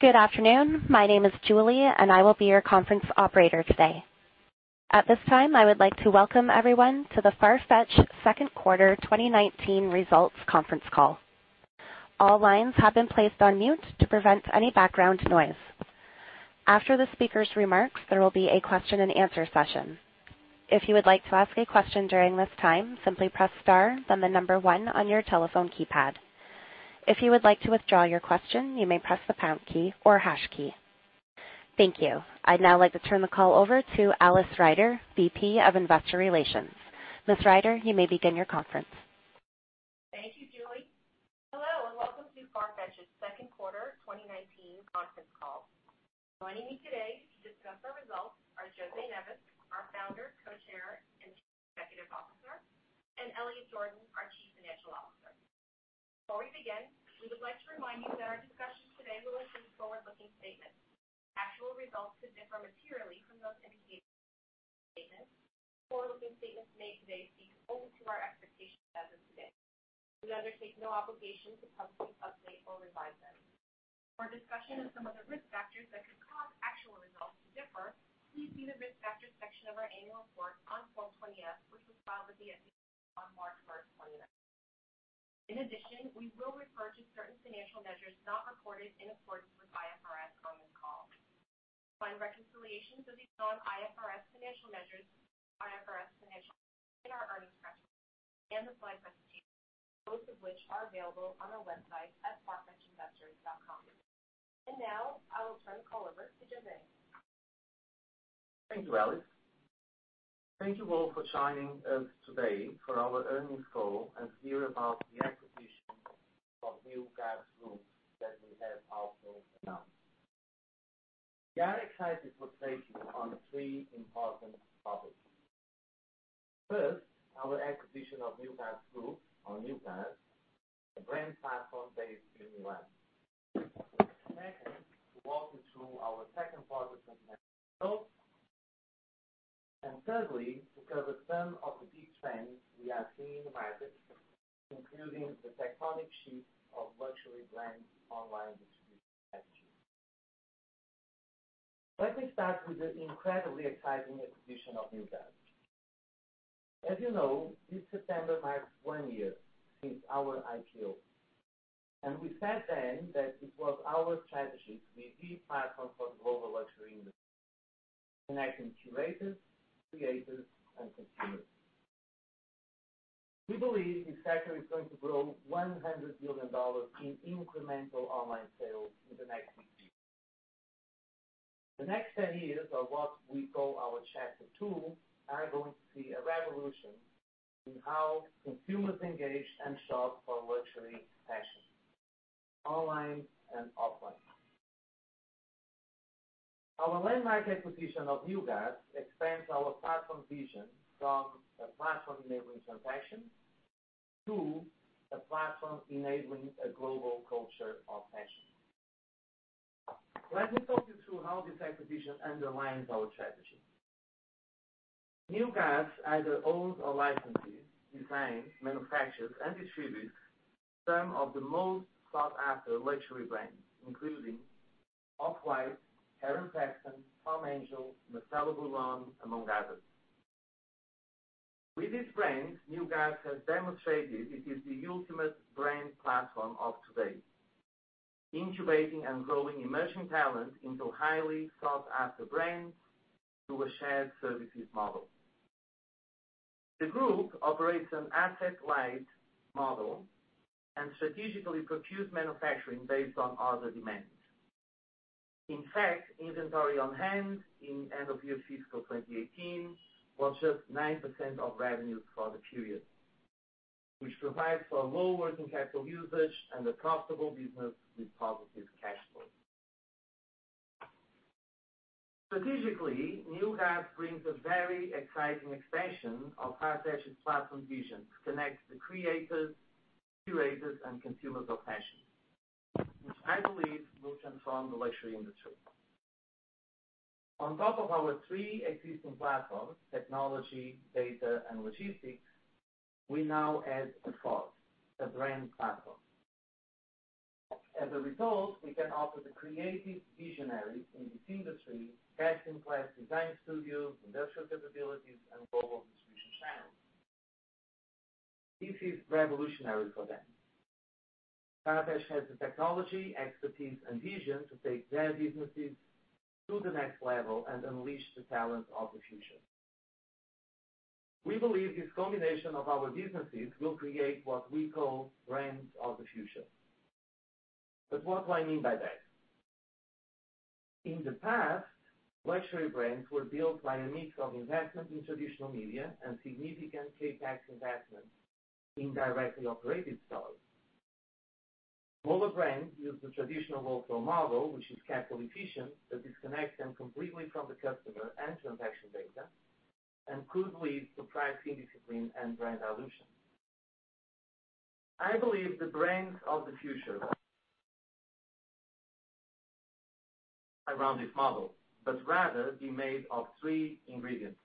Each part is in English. Good afternoon. My name is Julie, and I will be your conference operator today. At this time, I would like to welcome everyone to the Farfetch second quarter 2019 results conference call. All lines have been placed on mute to prevent any background noise. After the speaker's remarks, there will be a question and answer session. If you would like to ask a question during this time, simply press star then the number 1 on your telephone keypad. If you would like to withdraw your question, you may press the pound key or hash key. Thank you. I'd now like to turn the call over to Alice Ryder, VP of Investor Relations. Ms. Ryder, you may begin your conference. Thank you, Julie. Hello, and welcome to Farfetch's second quarter 2019 conference call. Joining me today to discuss our results are José Neves, our founder, co-chair, and Chief Executive Officer, and Elliot Jordan, our Chief Financial Officer. Before we begin, we would like to remind you that our discussions today will include forward-looking statements. Actual results could differ materially from those indicated statements. Forward-looking statements made today speak only to our expectations as of today. We undertake no obligation to publicly update or revise them. For discussion of some of the risk factors that could cause actual results to differ, please see the Risk Factors Section of our annual report on Form 20-F, which was filed with the SEC on March 1, 2019. In addition, we will refer to certain financial measures not recorded in accordance with IFRS on this call. Find reconciliations of these non-IFRS financial measures, IFRS financial in our earnings press release and the slide presentation, both of which are available on our website at farfetchinvestors.com. Now I will turn the call over to José. Thank you, Alice. Thank you all for joining us today for our earnings call and hear about the acquisition of New Guards Group that we have also announced. We are excited to update you on three important topics. First, our acquisition of New Guards Group or New Guards, a brand platform based in L.A. Second, to walk you through our second quarter financial results. Thirdly, to cover some of the big trends we are seeing in the market, including the tectonic shift of luxury brands' online distribution strategy. Let me start with the incredibly exciting acquisition of New Guards. As you know, this September marks one year since our IPO. We said then that it was our strategy to be the platform for the global luxury industry, connecting curators, creators, and consumers. We believe this sector is going to grow $100 billion in incremental online sales in the next few years. The next 10 years are what we call our chapter two, are going to see a revolution in how consumers engage and shop for luxury fashion, online and offline. Our landmark acquisition of New Guards expands our platform vision from a platform enabling transaction to a platform enabling a global culture of fashion. Let me talk you through how this acquisition underlines our strategy. New Guards either owns or licenses, designs, manufactures, and distributes some of the most sought-after luxury brands, including Off-White, Heron Preston, Palm Angels, Marcelo Burlon, among others. With these brands, New Guards has demonstrated it is the ultimate brand platform of today, incubating and growing emerging talent into highly sought-after brands through a shared services model. The group operates an asset-light model and strategically procures manufacturing based on order demands. In fact, inventory on hand in end of year fiscal 2018 was just 9% of revenues for the period, which provides for low working capital usage and a profitable business with positive cash flow. Strategically, New Guards brings a very exciting expansion of Farfetch's platform vision to connect the creators, curators, and consumers of fashion, which I believe will transform the luxury industry. On top of our three existing platforms, technology, data, and logistics, we now add a fourth, a brand platform. As a result, we can offer the creative visionaries in this industry best-in-class design studios, industrial capabilities, and global distribution channels. This is revolutionary for them. Farfetch has the technology, expertise, and vision to take their businesses to the next level and unleash the talent of the future. We believe this combination of our businesses will create what we call brands of the future. What do I mean by that? In the past, luxury brands were built by a mix of investment in traditional media and significant CapEx investment in directly operated stores. Older brands use the traditional wholesale model, which is capital efficient but disconnects them completely from the customer and transaction data, and could lead to pricing discipline and brand dilution. I believe the brands of the future around this model, but rather be made of three ingredients.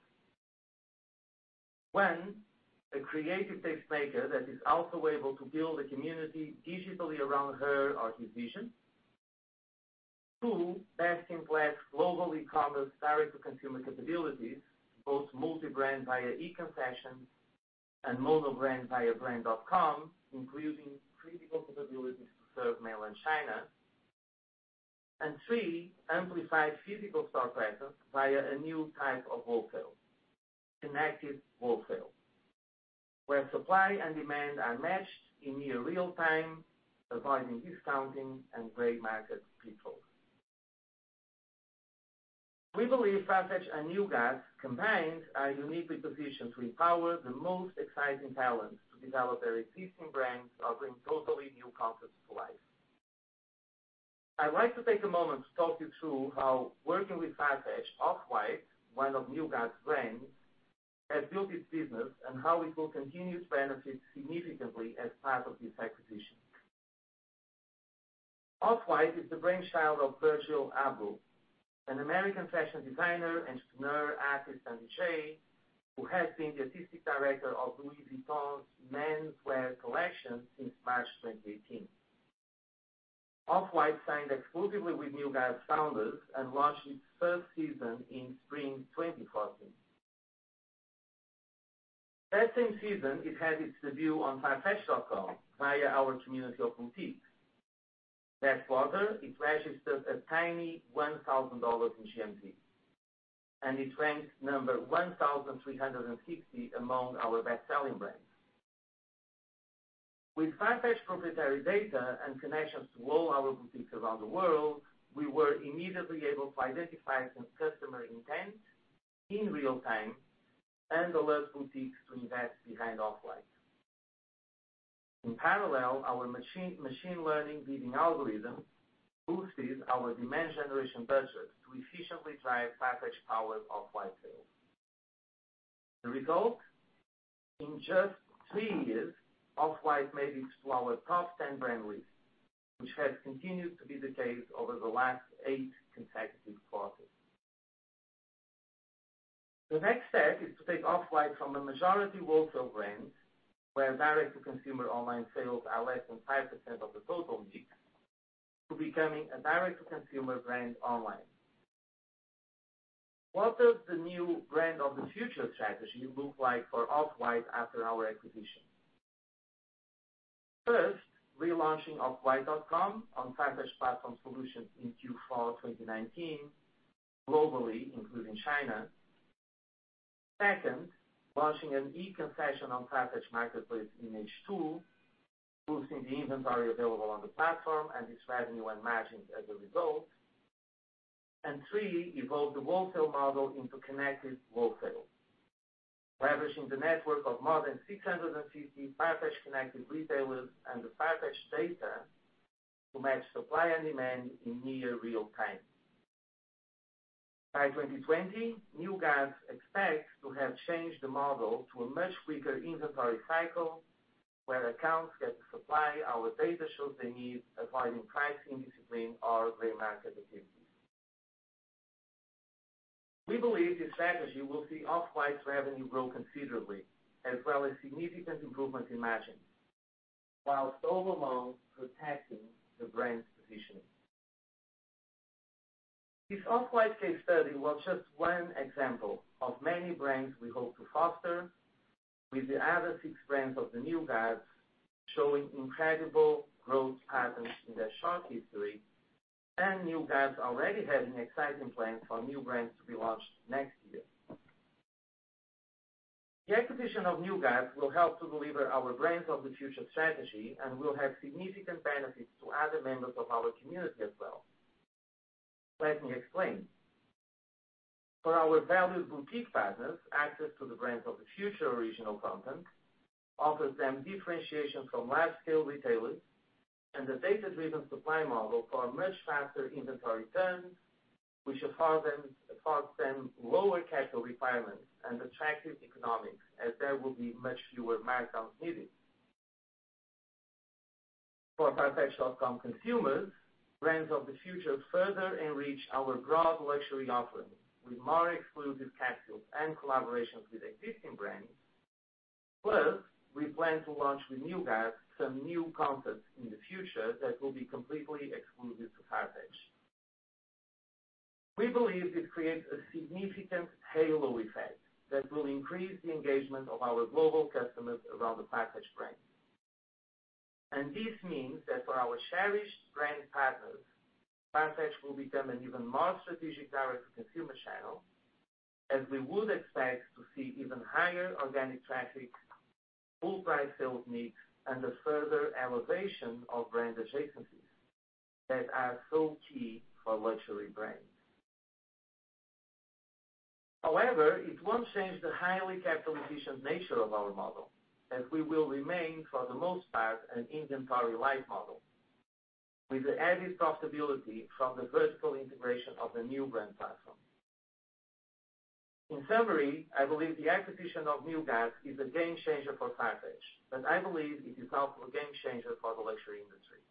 One, a creative tastemaker that is also able to build a community digitally around her or his vision. Two, best-in-class global e-commerce direct-to-consumer capabilities, both multi-brand via e-concessions and mono brand via brand.com, including critical capabilities to serve mainland China. Three, amplify physical store presence via a new type of wholesale, connected wholesale, where supply and demand are matched in near real-time, avoiding discounting and gray market pitfalls. We believe Farfetch and New Guards combined are uniquely positioned to empower the most exciting talents to develop their existing brands or bring totally new concepts to life. I'd like to take a moment to talk you through how working with Farfetch, Off-White, one of New Guards' brands, has built its business and how it will continue to benefit significantly as part of this acquisition. Off-White is the brainchild of Virgil Abloh, an American fashion designer and entrepreneur, artist, and DJ who has been the artistic director of Louis Vuitton's menswear collection since March 2018. Off-White signed exclusively with New Guards founders and launched its first season in spring 2014. That same season, it had its debut on farfetch.com via our community of boutiques. That quarter, it registered a tiny $1,000 in GMV, and it ranked number 1,360 among our best-selling brands. With Farfetch proprietary data and connections to all our boutiques around the world, we were immediately able to identify some customer intent in real time and alert boutiques to invest behind Off-White. In parallel, our machine learning bidding algorithm boosted our demand generation budget to efficiently drive Farfetch powered Off-White sales. The result, in just three years, Off-White made it to our top ten brand list, which has continued to be the case over the last eight consecutive quarters. The next step is to take Off-White from a majority wholesale brand, where direct-to-consumer online sales are less than 5% of the total mix, to becoming a direct-to-consumer brand online. What does the new brand of the future strategy look like for Off-White after our acquisition? First, relaunching offwhite.com on Farfetch Platform Solutions in Q4 2019 globally, including China. Second, launching an e-concession on Farfetch Marketplace in H2, boosting the inventory available on the platform and its revenue and margins as a result. Three, evolve the wholesale model into connected wholesale, leveraging the network of more than 650 Farfetch-connected retailers and the Farfetch data to match supply and demand in near real time. By 2020, New Guards expects to have changed the model to a much quicker inventory cycle where accounts get to supply our data shows they need, avoiding pricing discipline or gray market activities. We believe this strategy will see Off-White's revenue grow considerably, as well as significant improvements in margins, while all along protecting the brand's positioning. This Off-White case study was just one example of many brands we hope to foster with the other six brands of the New Guards showing incredible growth patterns in their short history, and New Guards already having exciting plans for new brands to be launched next year. The acquisition of New Guards will help to deliver our Brands of the Future strategy and will have significant benefits to other members of our community as well. Let me explain. For our valued boutique partners, access to the Brands of the Future original content offers them differentiation from large-scale retailers, and the data-driven supply model for much faster inventory turns, which affords them lower capital requirements and attractive economics, as there will be much fewer markdowns needed. For farfetch.com consumers, Brands of the Future further enrich our broad luxury offerings with more exclusive capsules and collaborations with existing brands. We plan to launch with New Guards some new concepts in the future that will be completely exclusive to Farfetch. We believe this creates a significant halo effect that will increase the engagement of our global customers around the Farfetch brand. This means that for our cherished brand partners, Farfetch will become an even more strategic direct-to-consumer channel, as we would expect to see even higher organic traffic, full-price sales mix, and a further elevation of brand adjacencies that are so key for luxury brands. However, it won't change the highly capital-efficient nature of our model, as we will remain, for the most part, an inventory-light model with the added profitability from the vertical integration of the new brand platform. In summary, I believe the acquisition of New Guards is a game-changer for Farfetch, and I believe it is also a game-changer for the luxury industry.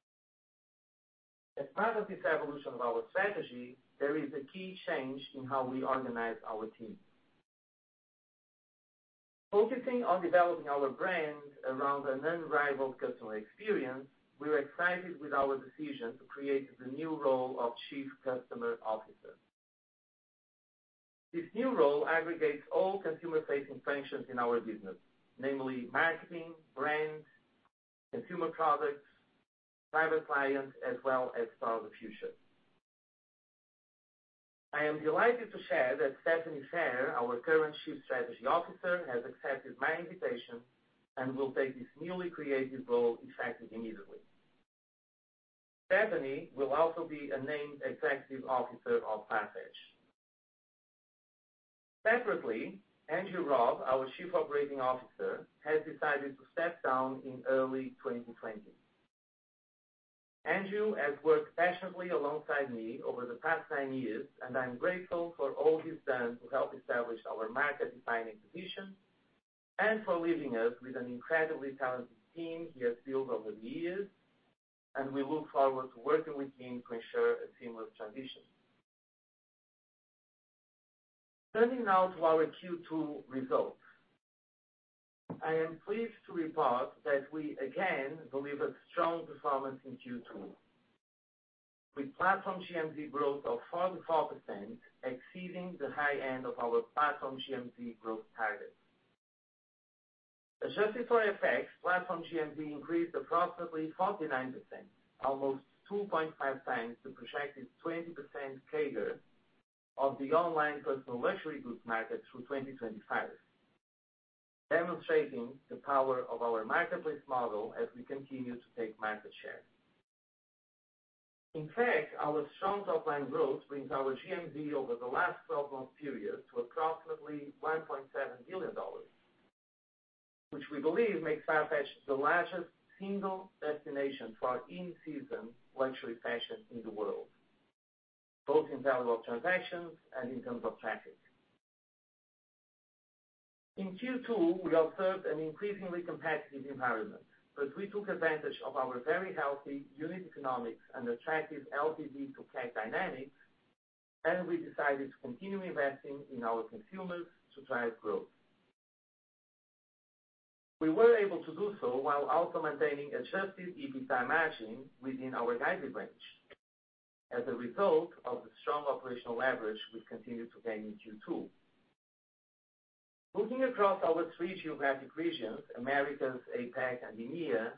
As part of this evolution of our strategy, there is a key change in how we organize our team. Focusing on developing our brand around an unrivaled customer experience, we're excited with our decision to create the new role of Chief Customer Officer. This new role aggregates all consumer-facing functions in our business, namely marketing, brand, consumer products, private clients, as well as Store of the Future. I am delighted to share that Stephanie Phair, our current Chief Strategy Officer, has accepted my invitation and will take this newly created role effective immediately. Stephanie will also be a named executive officer of Farfetch. Separately, Andrew Robb, our Chief Operating Officer, has decided to step down in early 2020. Andrew has worked passionately alongside me over the past nine years, and I'm grateful for all he's done to help establish our market-defining position and for leaving us with an incredibly talented team he has built over the years, and we look forward to working with him to ensure a seamless transition. Turning now to our Q2 results. I am pleased to report that we again delivered strong performance in Q2. With platform GMV growth of 44%, exceeding the high end of our platform GMV growth target. Adjusted for FX, platform GMV increased approximately 49%, almost 2.5 times the projected 20% CAGR of the online personal luxury goods market through 2025, demonstrating the power of our marketplace model as we continue to take market share. In fact, our strong top-line growth brings our GMV over the last 12-month period to approximately $1.7 billion, which we believe makes Farfetch the largest single destination for in-season luxury fashion in the world, both in value of transactions and in terms of traffic. In Q2, we observed an increasingly competitive environment, but we took advantage of our very healthy unit economics and attractive LTV to CAC dynamics, and we decided to continue investing in our consumers to drive growth. We were able to do so while also maintaining adjusted EBITDA margin within our guided range as a result of the strong operational leverage we continued to gain in Q2. Moving across our three geographic regions, Americas, APAC, and EMEA,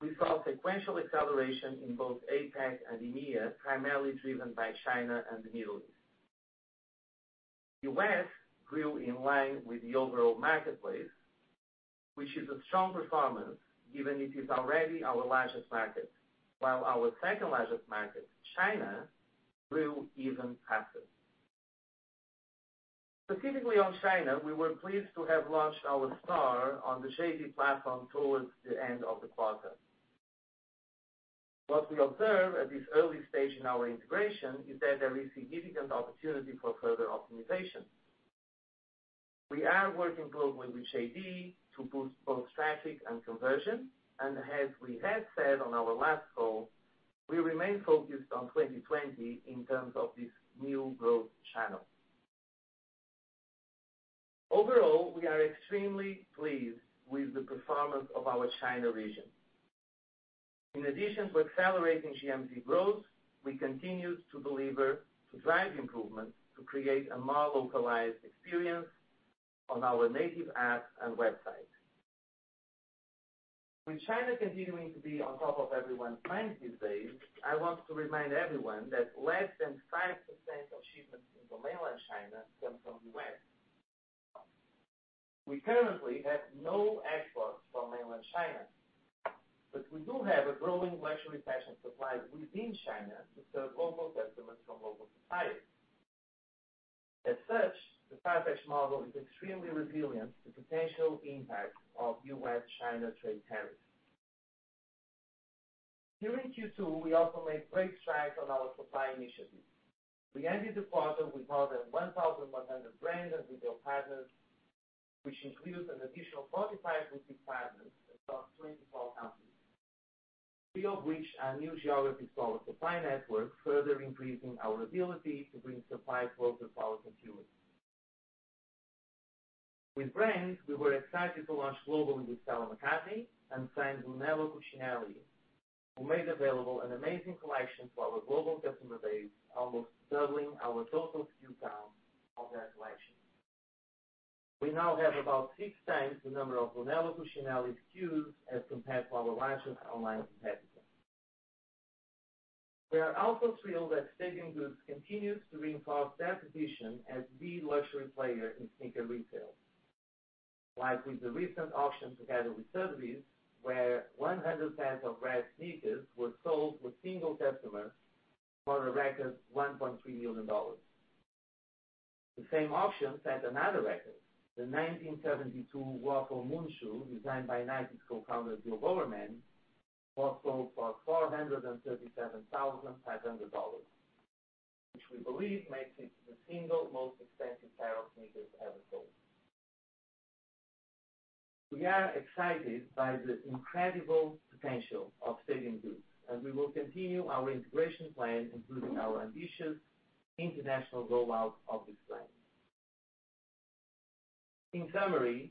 we saw sequential acceleration in both APAC and EMEA, primarily driven by China and the Middle East. U.S. grew in line with the overall marketplace, which is a strong performance given it is already our largest market, while our second largest market, China, grew even faster. Specifically on China, we were pleased to have launched our store on the JD platform towards the end of the quarter. What we observe at this early stage in our integration is that there is significant opportunity for further optimization. We are working closely with JD to boost both traffic and conversion, and as we have said on our last call, we remain focused on 2020 in terms of this new growth channel. Overall, we are extremely pleased with the performance of our China region. In addition to accelerating GMV growth, we continue to deliver to drive improvements to create a more localized experience on our native apps and website. With China continuing to be on top of everyone's minds these days, I want to remind everyone that less than 5% of shipments into mainland China come from the West. We currently have no exports from mainland China, but we do have a growing luxury fashion supply within China to serve local customers from local suppliers. As such, the Farfetch model is extremely resilient to potential impacts of U.S.-China trade tariffs. During Q2, we also made great strides on our supply initiatives. We ended the quarter with more than 1,100 brands and retail partners, which includes an additional 45 boutique partners across 24 countries. Three of which are new geographies for our supply network, further increasing our ability to bring supply closer to our consumers. With brands, we were excited to launch globally with Stella McCartney and signed Brunello Cucinelli, who made available an amazing collection to our global customer base, almost doubling our total SKU count of that collection. We now have about six times the number of Brunello Cucinelli SKUs as compared to our largest online competitor. We are also thrilled that Stadium Goods continues to reinforce their position as the luxury player in sneaker retail, like with the recent auction together with Sotheby's, where 100 pairs of rare sneakers were sold to a single customer for a record $1.3 million. The same auction set another record, the 1972 Waffle Moon Shoe designed by Nike's co-founder Bill Bowerman, was sold for $437,500, which we believe makes it the single most expensive pair of sneakers ever sold. We are excited by the incredible potential of Stadium Goods, and we will continue our integration plan, including our ambitious international rollout of this brand. In summary,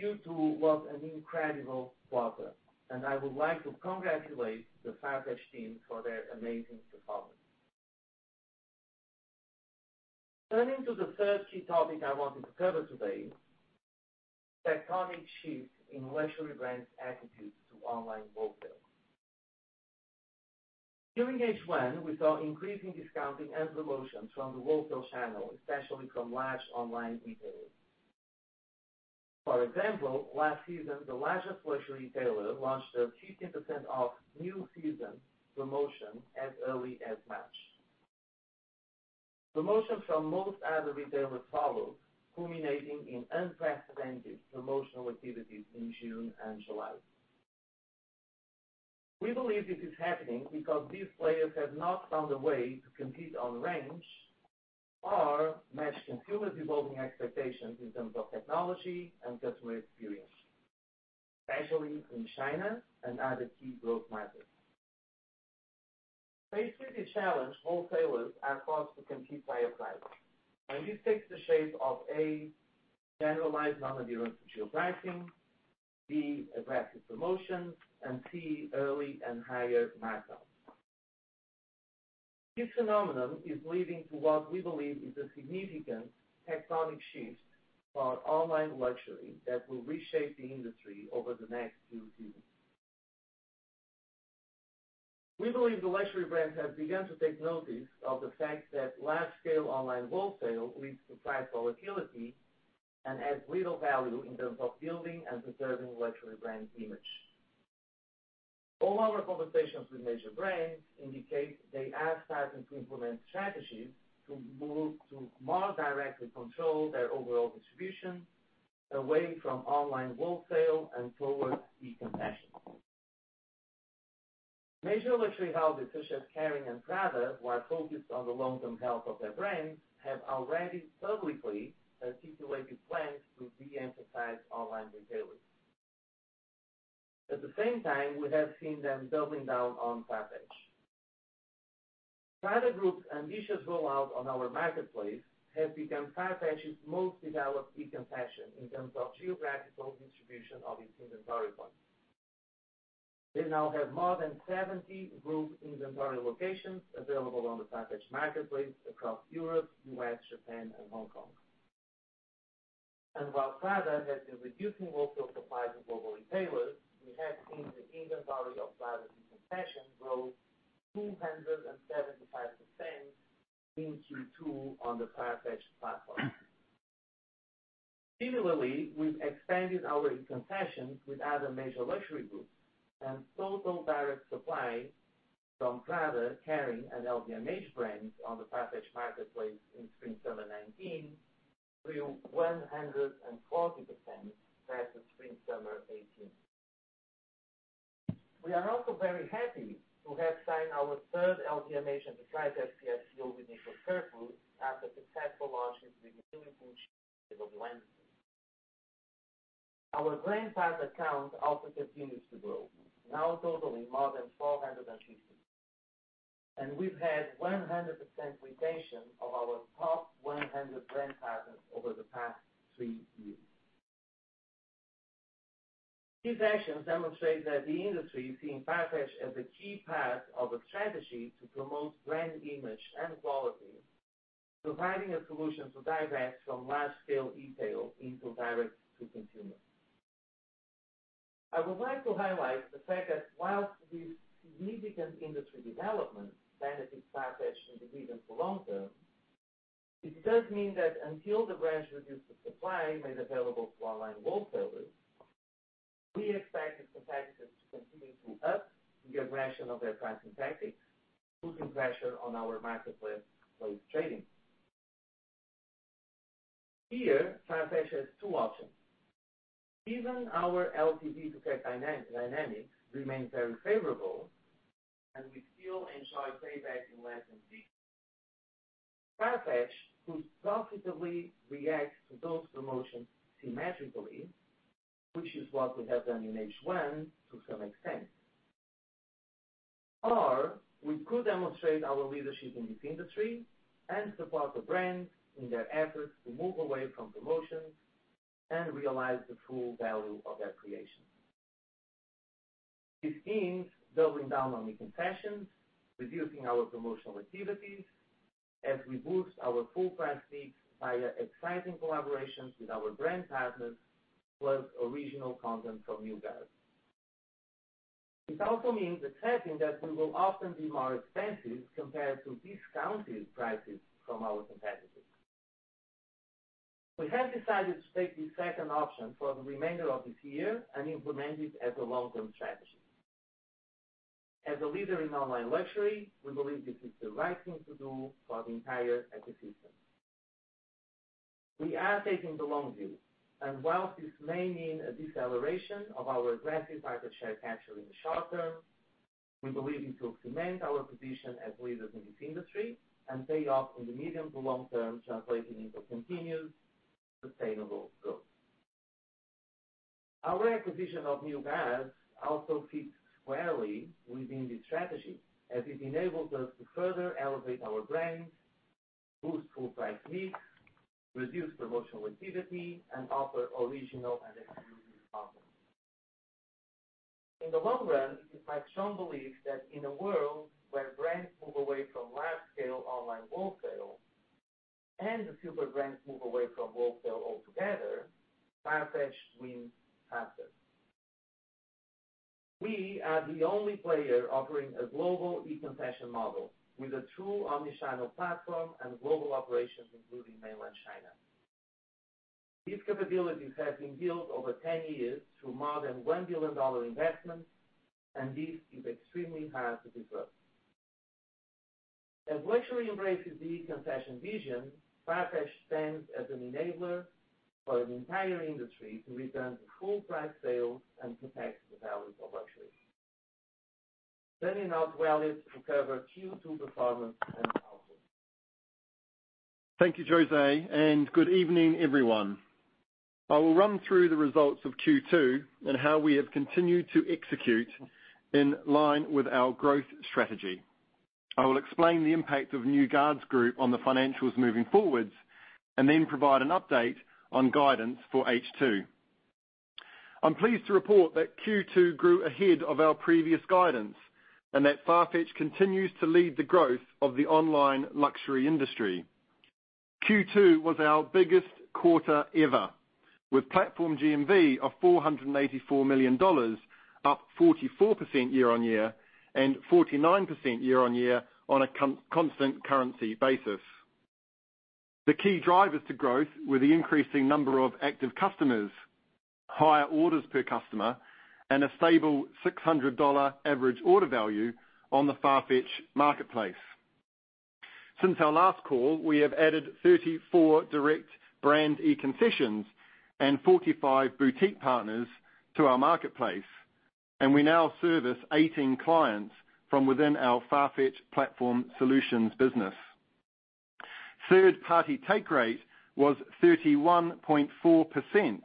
Q2 was an incredible quarter, and I would like to congratulate the Farfetch team for their amazing performance. Turning to the third key topic I wanted to cover today, tectonic shifts in luxury brands' attitudes to online wholesale. During H1, we saw increasing discounting and promotions from the wholesale channel, especially from large online retailers. For example, last season, the largest luxury retailer launched a 15% off new season promotion as early as March. Promotions from most other retailers followed, culminating in unprecedented promotional activities in June and July. We believe this is happening because these players have not found a way to compete on range or match consumers' evolving expectations in terms of technology and customer experience, especially in China and other key growth markets. Faced with this challenge, wholesalers are forced to compete via pricing, and this takes the shape of, A, generalized non-adherence to geo-pricing, B, aggressive promotions, and C, early and higher markdowns. This phenomenon is leading to what we believe is a significant tectonic shift for online luxury that will reshape the industry over the next few seasons. We believe the luxury brands have begun to take notice of the fact that large-scale online wholesale leads to price volatility and adds little value in terms of building and preserving luxury brand image. All our conversations with major brands indicate they are starting to implement strategies to more directly control their overall distribution away from online wholesale and towards e-concessions. Major luxury holders such as Kering and Prada, who are focused on the long-term health of their brands, have already publicly articulated plans to de-emphasize online retailers. At the same time, we have seen them doubling down on Farfetch. Prada Group's ambitious rollout on our marketplace has become Farfetch's most developed e-concession in terms of geographical distribution of its inventory points. They now have more than 70 group inventory locations available on the Farfetch Marketplace across Europe, U.S., Japan, and Hong Kong. While Prada has been reducing wholesale supply to global retailers, we have seen the inventory of Prada's e-concession grow 275% in Q2 on the Farfetch platform. Similarly, we've expanded our e-concessions with other major luxury groups, and total direct supply from Prada, Kering, and LVMH brands on the Farfetch Marketplace in Spring/Summer '19 grew 140% versus Spring/Summer '18. We are also very happy to have signed our third LVMH enterprise SPS deal with Nicholas Kirkwood after successful launches with Louis Vuitton and Berluti. Our brand partner count also continues to grow, now totaling more than 450. We've had 100% retention of our top 100 brand partners over the past three years. These actions demonstrate that the industry is seeing Farfetch as a key part of a strategy to promote brand image and quality, providing a solution to divert from large-scale e-tail into direct-to-consumer. I would like to highlight the fact that whilst these significant industry developments benefit Farfetch in the medium to long term, it does mean that until the brands reduce the supply made available to online wholesalers, we expect competitors to continue to up the aggression of their pricing tactics, putting pressure on our marketplace trading. Here, Farfetch has two options. Given our LTV to CAC dynamics remain very favorable, and we still enjoy payback in less than three years, Farfetch could profitably react to those promotions symmetrically, which is what we have done in H1 to some extent. We could demonstrate our leadership in this industry and support the brands in their efforts to move away from promotions and realize the full value of their creations. This means doubling down on e-concessions, reducing our promotional activities as we boost our full price mix via exciting collaborations with our brand partners, plus original content from New Guards. This also means accepting that we will often be more expensive compared to discounted prices from our competitors. We have decided to take the second option for the remainder of this year and implement it as a long-term strategy. As a leader in online luxury, we believe this is the right thing to do for the entire ecosystem. We are taking the long view, and while this may mean a deceleration of our aggressive market share capture in the short term. We believe it will cement our position as leaders in this industry and pay off in the medium to long term, translating into continuous sustainable growth. Our acquisition of New Guards also fits squarely within this strategy, as it enables us to further elevate our brand, boost full price mix, reduce promotional activity, and offer original and exclusive offerings. In the long run, it reflects strong belief that in a world where brands move away from large-scale online wholesale, and the super brands move away from wholesale altogether, Farfetch wins faster. We are the only player offering a global e-concession model with a true omni-channel platform and global operations, including Mainland China. These capabilities have been built over 10 years through more than $1 billion investment. This is extremely hard to disrupt. As luxury embraces the e-concession vision, Farfetch stands as an enabler for an entire industry to return to full-price sales and protect the value of luxury. Turning now to Elliot to cover Q2 performance and outlook. Thank you, José, Good evening, everyone. I will run through the results of Q2 and how we have continued to execute in line with our growth strategy. I will explain the impact of New Guards Group on the financials moving forward, Then provide an update on guidance for H2. I'm pleased to report that Q2 grew ahead of our previous guidance, That Farfetch continues to lead the growth of the online luxury industry. Q2 was our biggest quarter ever, with platform GMV of $484 million, up 44% year-on-year and 49% year-on-year on a constant currency basis. The key drivers to growth were the increasing number of active customers, higher orders per customer, and a stable $600 average order value on the Farfetch Marketplace. Since our last call, we have added 34 direct brand e-concessions and 45 boutique partners to our Farfetch Marketplace, and we now service 18 clients from within our Farfetch Platform Solutions business. Third-party take rate was 31.4%,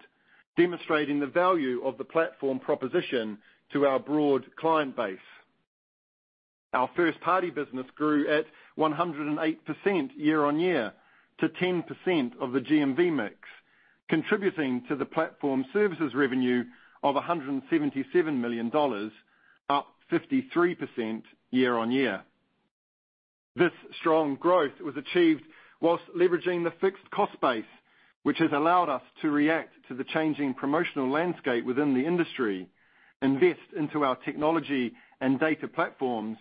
demonstrating the value of the platform proposition to our broad client base. Our first-party business grew at 108% year-on-year to 10% of the GMV mix, contributing to the platform services revenue of $177 million, up 53% year-on-year. This strong growth was achieved whilst leveraging the fixed cost base, which has allowed us to react to the changing promotional landscape within the industry, invest into our technology and data platforms,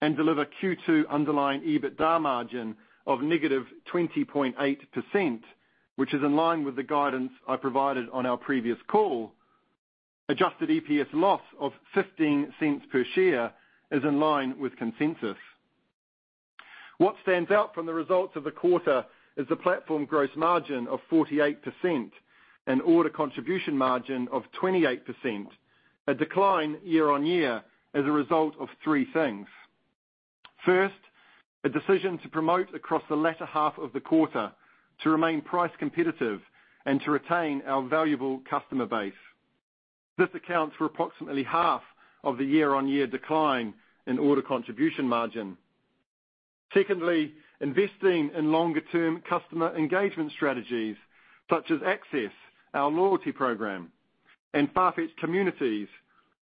and deliver Q2 underlying adjusted EBITDA margin of -20.8%, which is in line with the guidance I provided on our previous call. Adjusted EPS loss of $0.15 per share is in line with consensus. What stands out from the results of the quarter is the platform gross margin of 48% and order contribution margin of 28%, a decline year-on-year as a result of three things. First, a decision to promote across the latter half of the quarter to remain price competitive and to retain our valuable customer base. This accounts for approximately half of the year-on-year decline in order contribution margin. Secondly, investing in longer-term customer engagement strategies such as Access, our loyalty program, and Farfetch Communities,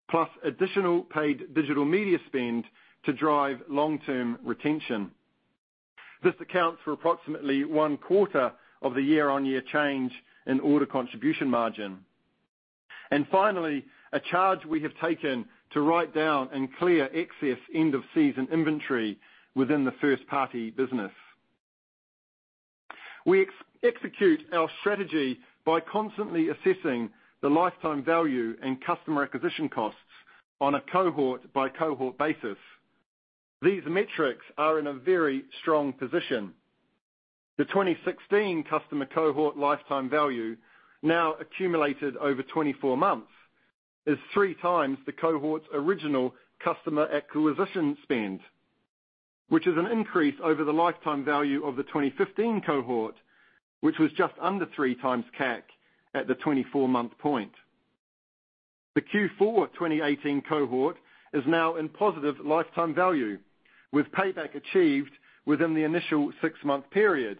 plus additional paid digital media spend to drive long-term retention. This accounts for approximately one-quarter of the year-on-year change in order contribution margin. Finally, a charge we have taken to write down and clear excess end-of-season inventory within the first-party business. We execute our strategy by constantly assessing the lifetime value and customer acquisition costs on a cohort-by-cohort basis. These metrics are in a very strong position. The 2016 customer cohort lifetime value, now accumulated over 24 months, is three times the cohort's original customer acquisition spend, which is an increase over the lifetime value of the 2015 cohort, which was just under three times CAC at the 24-month point. The Q4 2018 cohort is now in positive lifetime value, with payback achieved within the initial six-month period,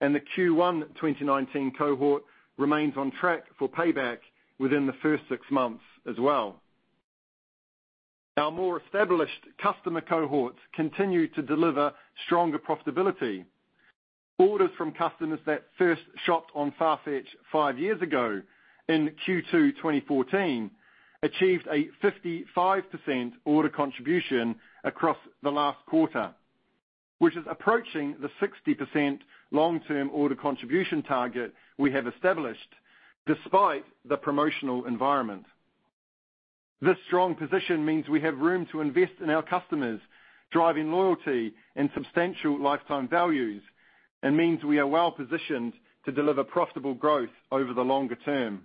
and the Q1 2019 cohort remains on track for payback within the first six months as well. Our more established customer cohorts continue to deliver stronger profitability. Orders from customers that first shopped on Farfetch five years ago in Q2 2014 achieved a 55% order contribution across the last quarter, which is approaching the 60% long-term order contribution target we have established despite the promotional environment. This strong position means we have room to invest in our customers, driving loyalty and substantial lifetime values, and means we are well positioned to deliver profitable growth over the longer term.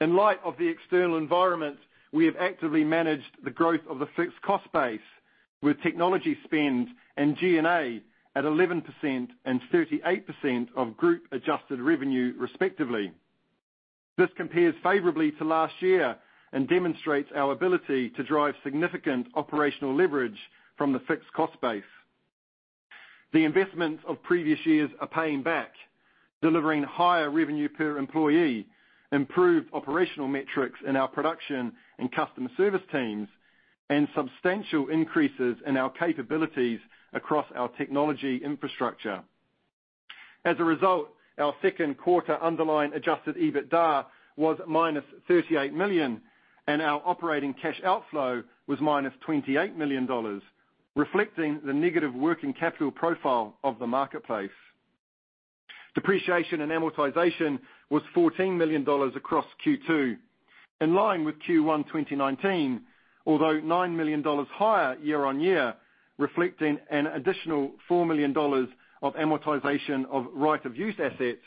In light of the external environment, we have actively managed the growth of the fixed cost base with technology spend and G&A at 11% and 38% of group-adjusted revenue, respectively. This compares favorably to last year and demonstrates our ability to drive significant operational leverage from the fixed cost base. The investments of previous years are paying back, delivering higher revenue per employee, improved operational metrics in our production and customer service teams, and substantial increases in our capabilities across our technology infrastructure. As a result, our second quarter underlying adjusted EBITDA was -$38 million, and our operating cash outflow was -$28 million, reflecting the negative working capital profile of the marketplace. Depreciation and amortization was $14 million across Q2, in line with Q1 2019, although $9 million higher year-on-year, reflecting an additional $4 million of amortization of right-of-use assets,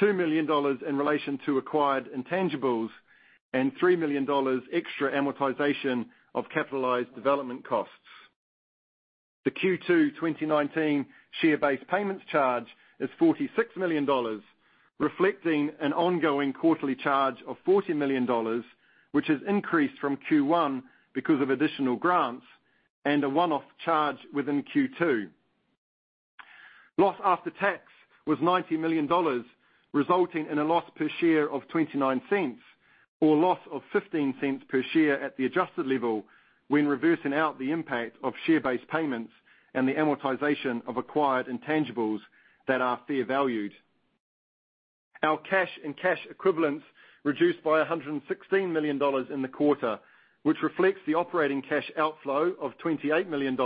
$2 million in relation to acquired intangibles, and $3 million extra amortization of capitalized development costs. The Q2 2019 share-based payments charge is $46 million, reflecting an ongoing quarterly charge of $40 million, which has increased from Q1 because of additional grants and a one-off charge within Q2. Loss after tax was $90 million, resulting in a loss per share of $0.29, or a loss of $0.15 per share at the adjusted level when reversing out the impact of share-based payments and the amortization of acquired intangibles that are fair valued. Our cash and cash equivalents reduced by $116 million in the quarter, which reflects the operating cash outflow of $28 million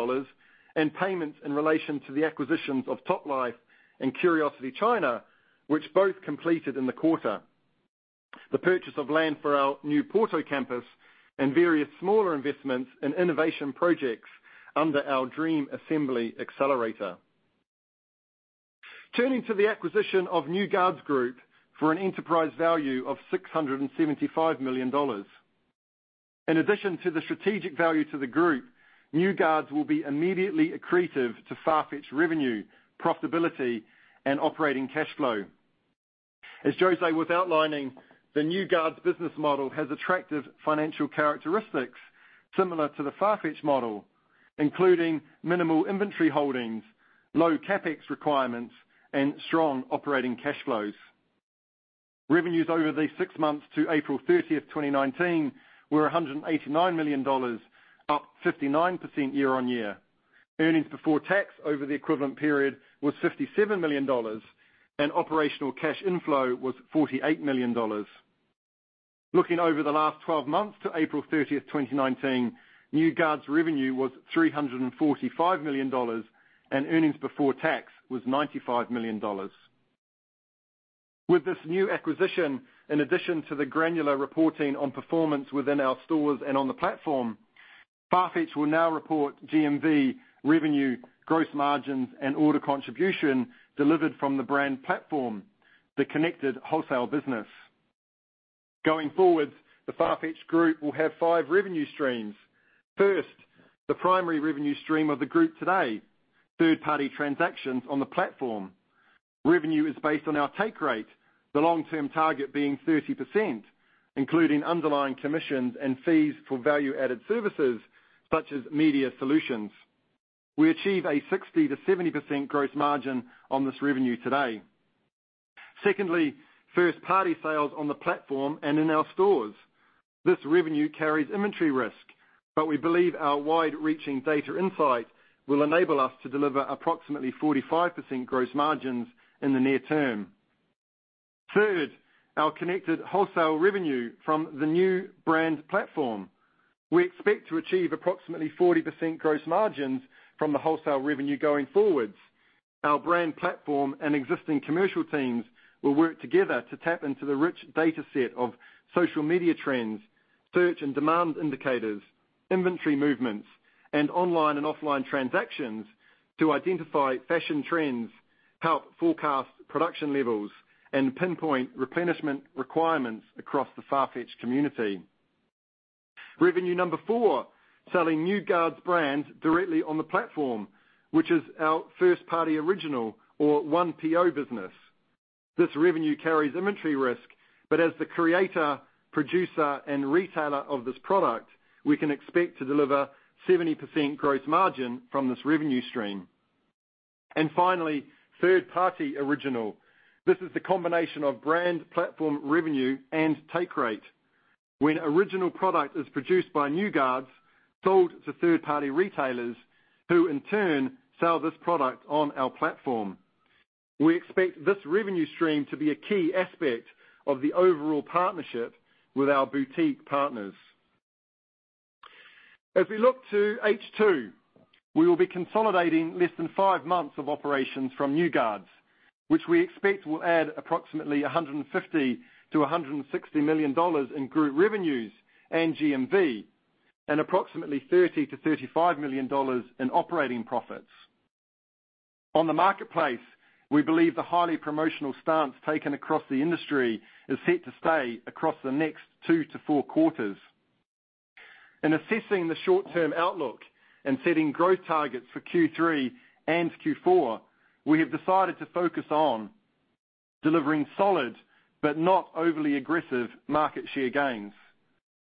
and payments in relation to the acquisitions of Toplife and CuriosityChina, which both completed in the quarter, and the purchase of land for our new Porto campus and various smaller investments in innovation projects under our Dream Assembly accelerator. Turning to the acquisition of New Guards Group for an enterprise value of $675 million. In addition to the strategic value to the group, New Guards will be immediately accretive to Farfetch revenue, profitability, and operating cash flow. As José was outlining, the New Guards business model has attractive financial characteristics similar to the Farfetch model, including minimal inventory holdings, low CapEx requirements, and strong operating cash flows. Revenues over the six months to April 30th, 2019, were $189 million, up 59% year-on-year. Earnings before tax over the equivalent period was $57 million, and operational cash inflow was $48 million. Looking over the last 12 months to April 30th, 2019, New Guards revenue was $345 million, and earnings before tax was $95 million. With this new acquisition, in addition to the granular reporting on performance within our stores and on the platform, Farfetch will now report GMV, revenue, gross margins, and order contribution delivered from the brand platform, the connected wholesale business. Going forward, the Farfetch Group will have five revenue streams. First, the primary revenue stream of the group today, third-party transactions on the platform. Revenue is based on our take rate, the long-term target being 30%, including underlying commissions and fees for value-added services such as media solutions. We achieve a 60%-70% gross margin on this revenue today. Secondly, first-party sales on the platform and in our stores. This revenue carries inventory risk, but we believe our wide-reaching data insight will enable us to deliver approximately 45% gross margins in the near term. Third, our connected wholesale revenue from the new brand platform. We expect to achieve approximately 40% gross margins from the wholesale revenue going forwards. Our brand platform and existing commercial teams will work together to tap into the rich data set of social media trends, search and demand indicators, inventory movements, and online and offline transactions to identify fashion trends, help forecast production levels, and pinpoint replenishment requirements across the Farfetch Communities. Revenue number 4, selling New Guards brands directly on the platform, which is our first-party original or 1PO business. This revenue carries inventory risk, but as the creator, producer, and retailer of this product, we can expect to deliver 70% gross margin from this revenue stream. Finally, third-party original. This is the combination of brand platform revenue and take rate. When original product is produced by New Guards, sold to third-party retailers, who in turn sell this product on our platform. We expect this revenue stream to be a key aspect of the overall partnership with our boutique partners. As we look to H2, we will be consolidating less than five months of operations from New Guards, which we expect will add approximately $150 million-$160 million in group revenues and GMV, and approximately $30 million-$35 million in operating profits. On the marketplace, we believe the highly promotional stance taken across the industry is set to stay across the next two to four quarters. In assessing the short-term outlook and setting growth targets for Q3 and Q4, we have decided to focus on delivering solid, but not overly aggressive market share gains.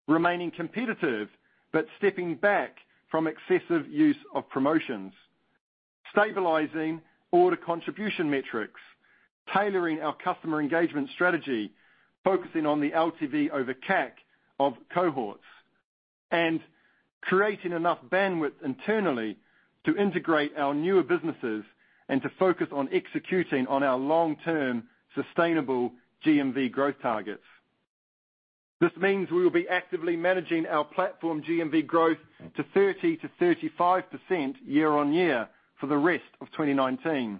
Remaining competitive, but stepping back from excessive use of promotions, stabilizing order contribution metrics, tailoring our customer engagement strategy, focusing on the LTV to CAC of cohorts, and creating enough bandwidth internally to integrate our newer businesses and to focus on executing on our long-term sustainable GMV growth targets. This means we will be actively managing our platform GMV growth to 30%-35% year-on-year for the rest of 2019.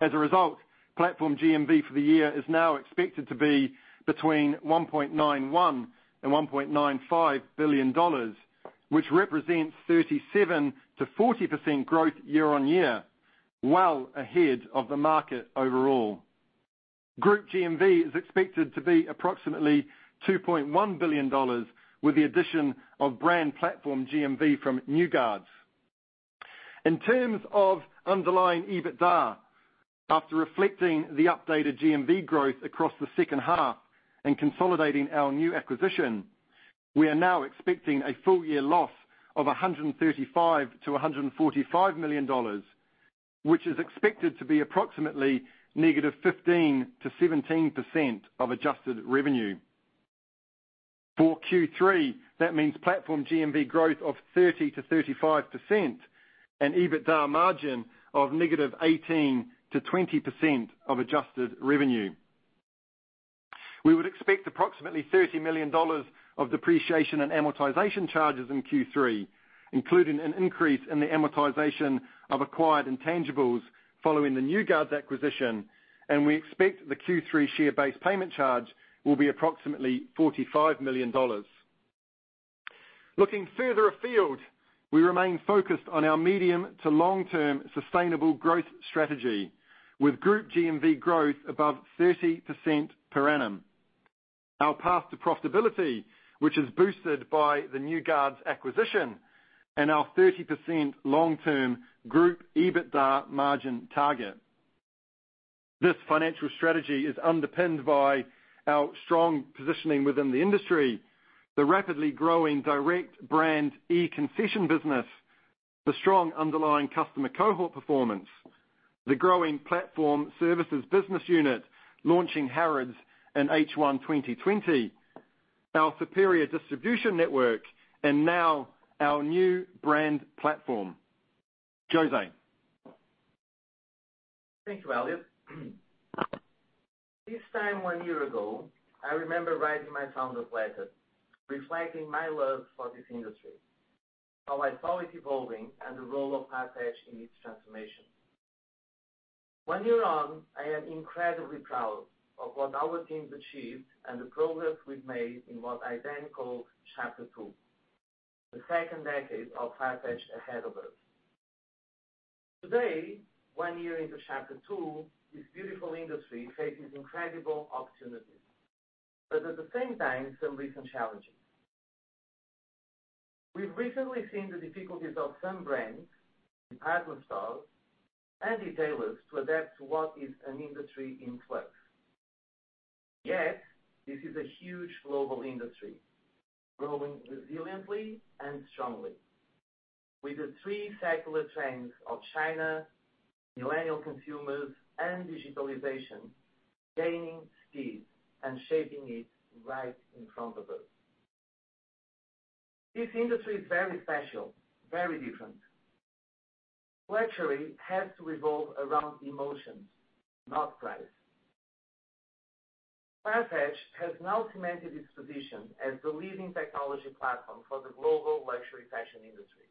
As a result, platform GMV for the year is now expected to be between $1.91 billion and $1.95 billion, which represents 37%-40% growth year-on-year, well ahead of the market overall. Group GMV is expected to be approximately $2.1 billion with the addition of brand platform GMV from New Guards. In terms of underlying EBITDA, after reflecting the updated GMV growth across the second half and consolidating our new acquisition, we are now expecting a full year loss of $135 million-$145 million, which is expected to be approximately negative 15%-17% of adjusted revenue. For Q3, that means platform GMV growth of 30%-35% and EBITDA margin of negative 18%-20% of adjusted revenue. We would expect approximately $30 million of depreciation and amortization charges in Q3, including an increase in the amortization of acquired intangibles following the New Guards acquisition, and we expect the Q3 share-based payment charge will be approximately $45 million. Looking further afield, we remain focused on our medium to long-term sustainable growth strategy with group GMV growth above 30% per annum. Our path to profitability, which is boosted by the New Guards acquisition and our 30% long-term group EBITDA margin target. This financial strategy is underpinned by our strong positioning within the industry, the rapidly growing direct brand e-concession business, the strong underlying customer cohort performance, the growing platform services business unit launching Harrods in H1 2020, our superior distribution network, and now our new brand platform, José. Thank you, Elliot. This time one year ago, I remember writing my founder's letter, reflecting my love for this industry. How I saw it evolving and the role of Farfetch in its transformation. One year on, I am incredibly proud of what our team's achieved and the progress we've made in what I then called chapter two, the second decade of Farfetch ahead of us. Today, one year into chapter two, this beautiful industry faces incredible opportunities, but at the same time, some recent challenges. We've recently seen the difficulties of some brands, department stores, and retailers to adapt to what is an industry in flux. This is a huge global industry, growing resiliently and strongly. With the three secular trends of China, millennial consumers, and digitalization gaining speed and shaping it right in front of us. This industry is very special, very different. Luxury has to revolve around emotions, not price. Farfetch has now cemented its position as the leading technology platform for the global luxury fashion industry.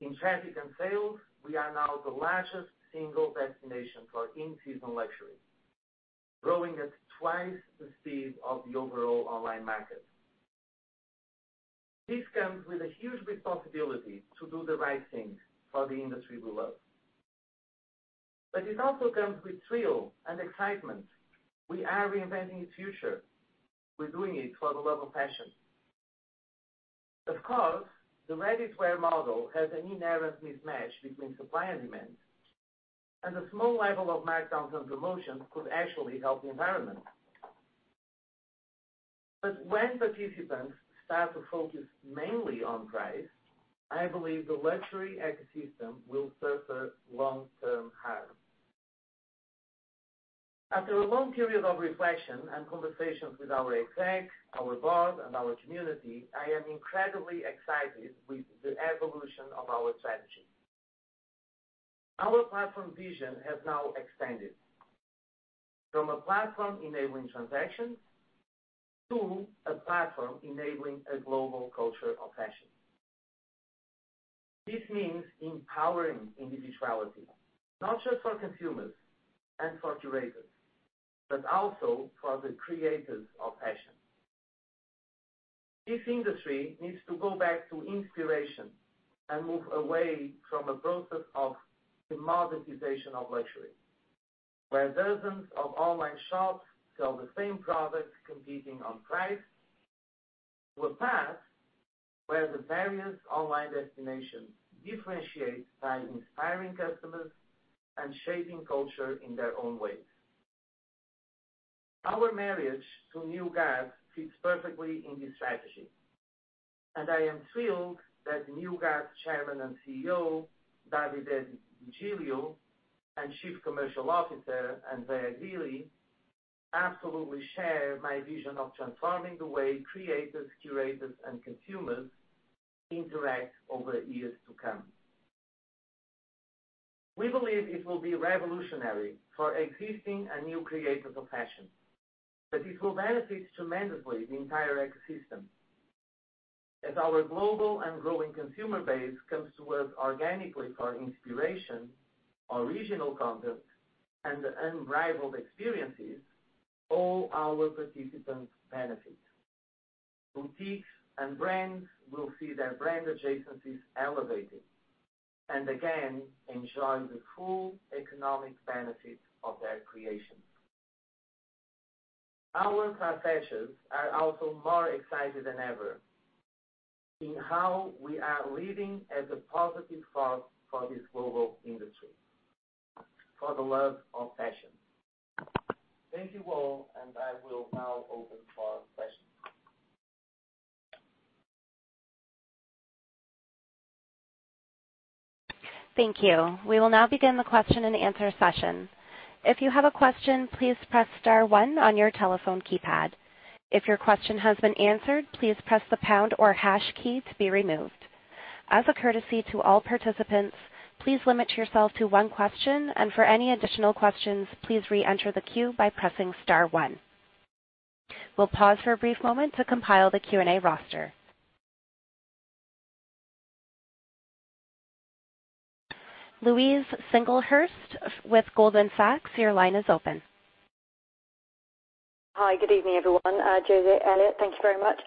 In traffic and sales, we are now the largest single destination for in-season luxury, growing at twice the speed of the overall online market. This comes with a huge responsibility to do the right thing for the industry we love. It also comes with thrill and excitement. We are reinventing the future. We're doing it for the love of fashion. Of course, the ready-to-wear model has an inherent mismatch between supply and demand. A small level of markdowns and promotions could actually help the environment. When participants start to focus mainly on price, I believe the luxury ecosystem will suffer long-term harm. After a long period of reflection and conversations with our exec, our board, and our community, I am incredibly excited with the evolution of our strategy. Our platform vision has now extended from a platform enabling transactions to a platform enabling a global culture of fashion. This means empowering individuality, not just for consumers and for curators, but also for the creators of fashion. This industry needs to go back to inspiration and move away from a process of commoditization of luxury, where dozens of online shops sell the same products, competing on price, to a path where the various online destinations differentiate by inspiring customers and shaping culture in their own ways. Our marriage to New Guards fits perfectly in this strategy, and I am thrilled that New Guards Chairman and CEO, Davide De Giglio, and Chief Commercial Officer, Andrea Grilli, absolutely share my vision of transforming the way creators, curators, and consumers interact over the years to come. We believe it will be revolutionary for existing and new creators of fashion, but it will benefit tremendously the entire ecosystem. As our global and growing consumer base comes to us organically for inspiration, original content, and unrivaled experiences, all our participants benefit. Boutiques and brands will see their brand adjacencies elevated and, again, enjoy the full economic benefits of their creations. Our Farfetchers are also more excited than ever in how we are leading as a positive force for this global industry, for the love of fashion. Thank you all, and I will now open for questions. Thank you. We will now begin the question and answer session. If you have a question, please press star one on your telephone keypad. If your question has been answered, please press the pound or hash key to be removed. As a courtesy to all participants, please limit yourself to one question, and for any additional questions, please re-enter the queue by pressing star one. We will pause for a brief moment to compile the Q&A roster. Louise Singlehurst with Goldman Sachs, your line is open. Hi, good evening, everyone. José, Elliot, thank you very much.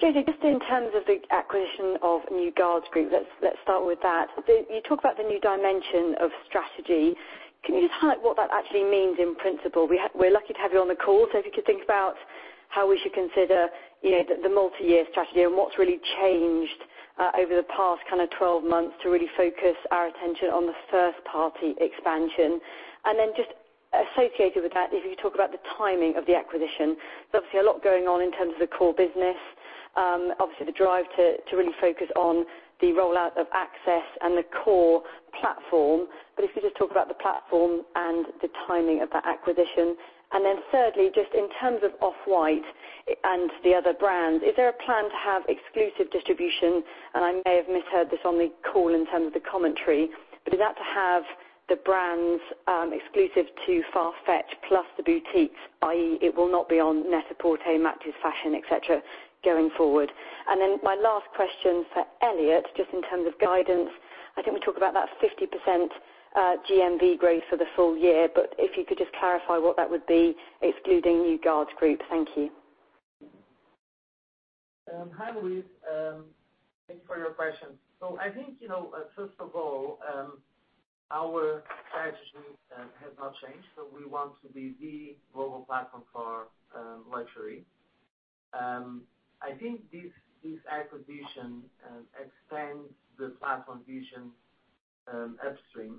José, just in terms of the acquisition of New Guards Group, let's start with that. You talk about the new dimension of strategy. Can you just highlight what that actually means in principle? We're lucky to have you on the call, so if you could think about how we should consider the multi-year strategy and what's really changed over the past 12 months to really focus our attention on the first-party expansion. Associated with that, if you could talk about the timing of the acquisition. There's obviously a lot going on in terms of the core business. Obviously, the drive to really focus on the rollout of Access and the core platform, but if you could just talk about the platform and the timing of that acquisition. Thirdly, just in terms of Off-White and the other brands, is there a plan to have exclusive distribution? I may have misheard this on the call in terms of the commentary, but is that to have the brands exclusive to Farfetch plus the boutiques, i.e., it will not be on NET-A-PORTER, MATCHESFASHION, et cetera, going forward. My last question for Elliot, just in terms of guidance, I think we talked about that 50% GMV growth for the full year, but if you could just clarify what that would be excluding New Guards Group. Thank you. Hi, Louise. Thank you for your questions. I think, first of all, our strategy has not changed. We want to be the global platform for luxury. I think this acquisition extends the platform vision upstream.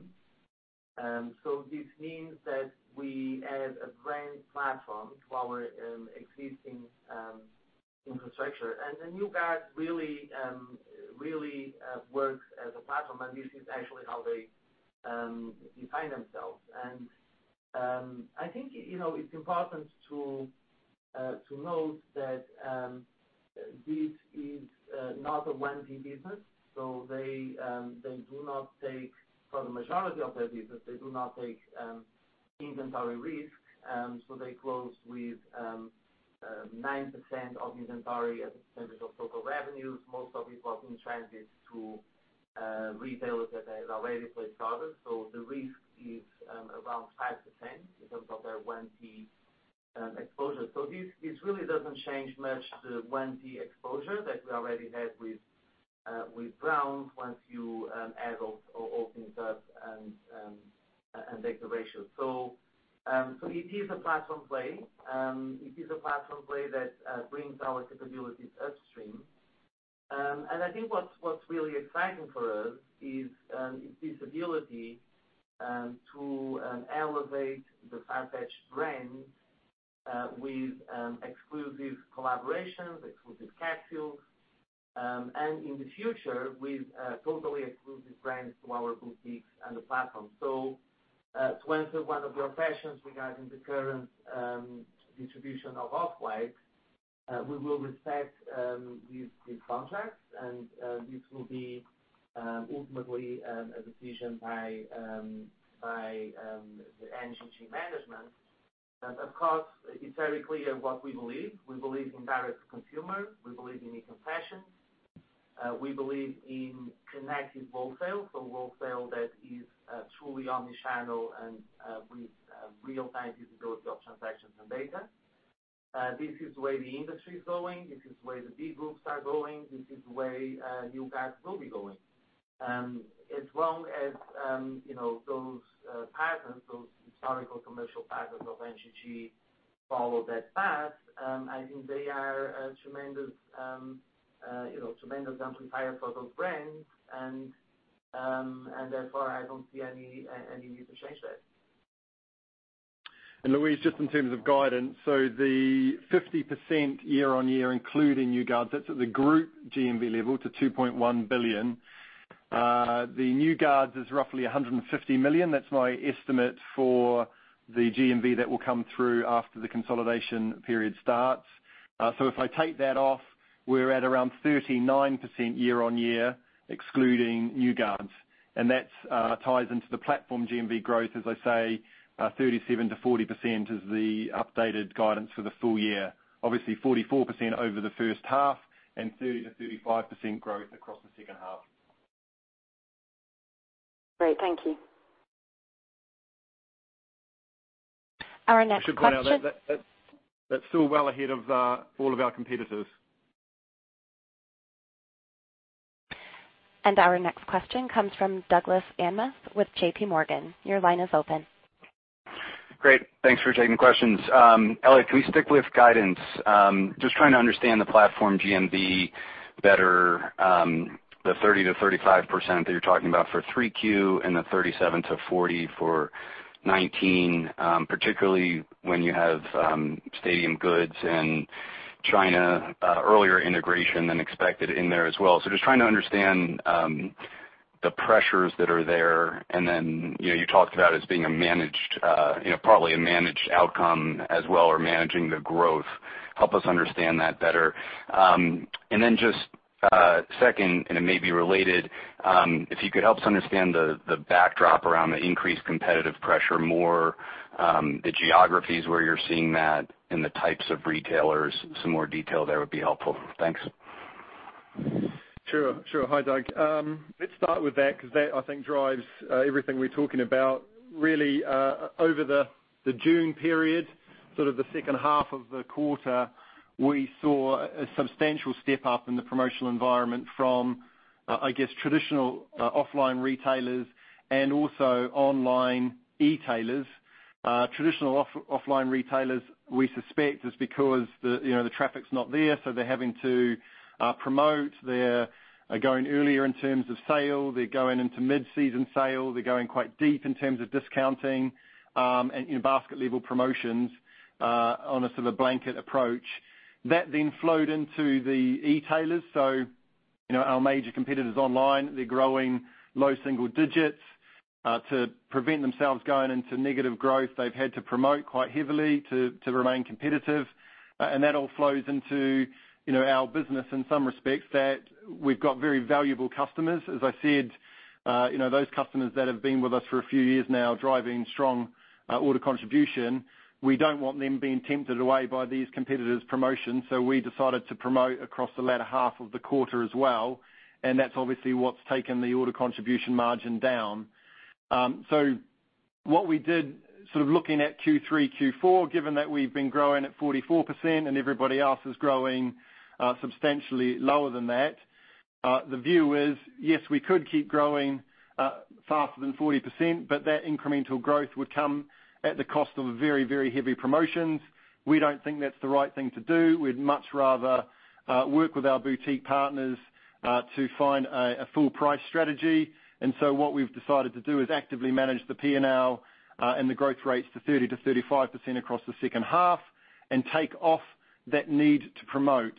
This means that we add a brand platform to our existing infrastructure. The New Guards really works as a platform, and this is actually how they define themselves. I think it's important to note that this is not a 1PO business. For the majority of their business, they do not take inventory risk. They close with 90% of inventory as a percentage of total revenues, most of it was in transit to retailers that have already placed orders. The risk is around 5% in terms of their 1PO exposure. This really doesn't change much the 1PO exposure that we already had with Brands once you add up all things up and take the ratio. It is a platform play. It is a platform play that brings our capabilities upstream. I think what's really exciting for us is this ability to elevate the Farfetch brand with exclusive collaborations, exclusive capsules, and in the future, with totally exclusive brands to our boutiques and the platform. To answer one of your questions regarding the current distribution of Off-White, we will respect these contracts, and this will be ultimately a decision by the NGG management. Of course, it's very clear what we believe. We believe in direct consumer, we believe in e-commerce. We believe in connected wholesale, so wholesale that is truly omni-channel and with real-time visibility of transactions and data. This is the way the industry is going. This is the way the big groups are going. This is the way New Guards will be going. Those patterns, those historical commercial patterns of NGG follow that path, I think they are a tremendous amplifier for those brands. Therefore, I don't see any need to change that. Louise, just in terms of guidance, the 50% year-over-year, including New Guards, that's at the group GMV level to $2.1 billion. The New Guards is roughly $150 million. That's my estimate for the GMV that will come through after the consolidation period starts. If I take that off, we're at around 39% year-over-year, excluding New Guards. That ties into the platform GMV growth, as I say, 37%-40% is the updated guidance for the full year. Obviously, 44% over the first half and 30%-35% growth across the second half. Great. Thank you. Our next question. I should point out that's still well ahead of all of our competitors. Our next question comes from Douglas Anmuth with JPMorgan. Your line is open. Great. Thanks for taking questions. Elliot, can we stick with guidance? Just trying to understand the platform GMV better, the 30%-35% that you're talking about for 3Q and the 37%-40% for 2019, particularly when you have Stadium Goods and China earlier integration than expected in there as well. Just trying to understand the pressures that are there, and then you talked about as being partly a managed outcome as well or managing the growth. Help us understand that better. Just second, and it may be related, if you could help us understand the backdrop around the increased competitive pressure more, the geographies where you're seeing that and the types of retailers, some more detail there would be helpful. Thanks. Sure. Hi, Doug. Let's start with that because that, I think, drives everything we're talking about really over the June period, sort of the second half of the quarter, we saw a substantial step-up in the promotional environment from, I guess, traditional offline retailers and also online e-tailers. Traditional offline retailers, we suspect it's because the traffic's not there, so they're having to promote. They're going earlier in terms of sale. They're going into mid-season sale. They're going quite deep in terms of discounting and basket level promotions on a sort of blanket approach. That then flowed into the e-tailers. Our major competitors online, they're growing low single digits. To prevent themselves going into negative growth, they've had to promote quite heavily to remain competitive. That all flows into our business in some respects that we've got very valuable customers. As I said, those customers that have been with us for a few years now driving strong order contribution, we don't want them being tempted away by these competitors' promotions. We decided to promote across the latter half of the quarter as well, and that's obviously what's taken the order contribution margin down. What we did sort of looking at Q3, Q4, given that we've been growing at 44% and everybody else is growing substantially lower than that, the view is, yes, we could keep growing faster than 40%, but that incremental growth would come at the cost of very, very heavy promotions. We don't think that's the right thing to do. We'd much rather work with our boutique partners to find a full price strategy. What we've decided to do is actively manage the P&L and the growth rates to 30%-35% across the second half and take off that need to promote.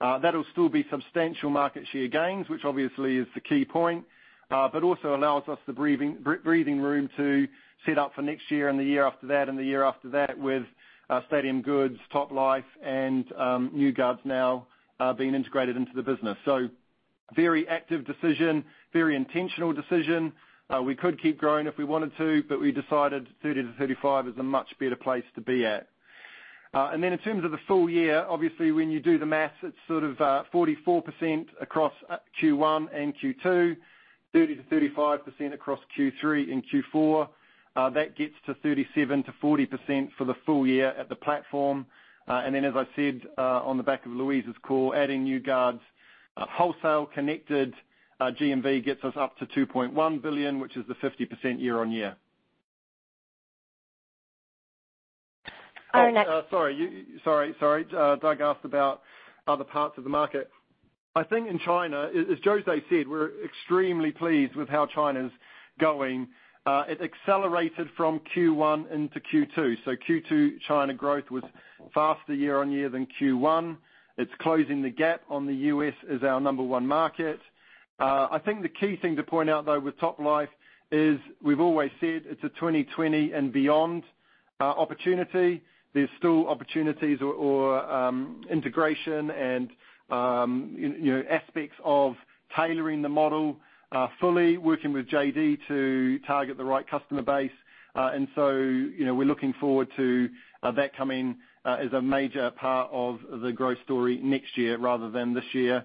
That'll still be substantial market share gains, which obviously is the key point, but also allows us the breathing room to set up for next year and the year after that and the year after that with Stadium Goods, Toplife and New Guards now being integrated into the business. Very active decision, very intentional decision. We could keep growing if we wanted to, but we decided 30%-35% is a much better place to be at. In terms of the full year, obviously, when you do the math, it's sort of 44% across Q1 and Q2, 30%-35% across Q3 and Q4. That gets to 37%-40% for the full year at the platform. Then, as I said, on the back of Louise's call, adding New Guards wholesale connected GMV gets us up to $2.1 billion, which is the 50% year-on-year. Our next- Sorry. Doug asked about other parts of the market. I think in China, as José said, we're extremely pleased with how China's going. It accelerated from Q1 into Q2. Q2 China growth was faster year-over-year than Q1. It's closing the gap on the U.S. as our number 1 market. I think the key thing to point out, though, with Toplife is we've always said it's a 2020 and beyond opportunity. There's still opportunities or integration and aspects of tailoring the model fully, working with JD.com to target the right customer base. We're looking forward to that coming as a major part of the growth story next year rather than this year.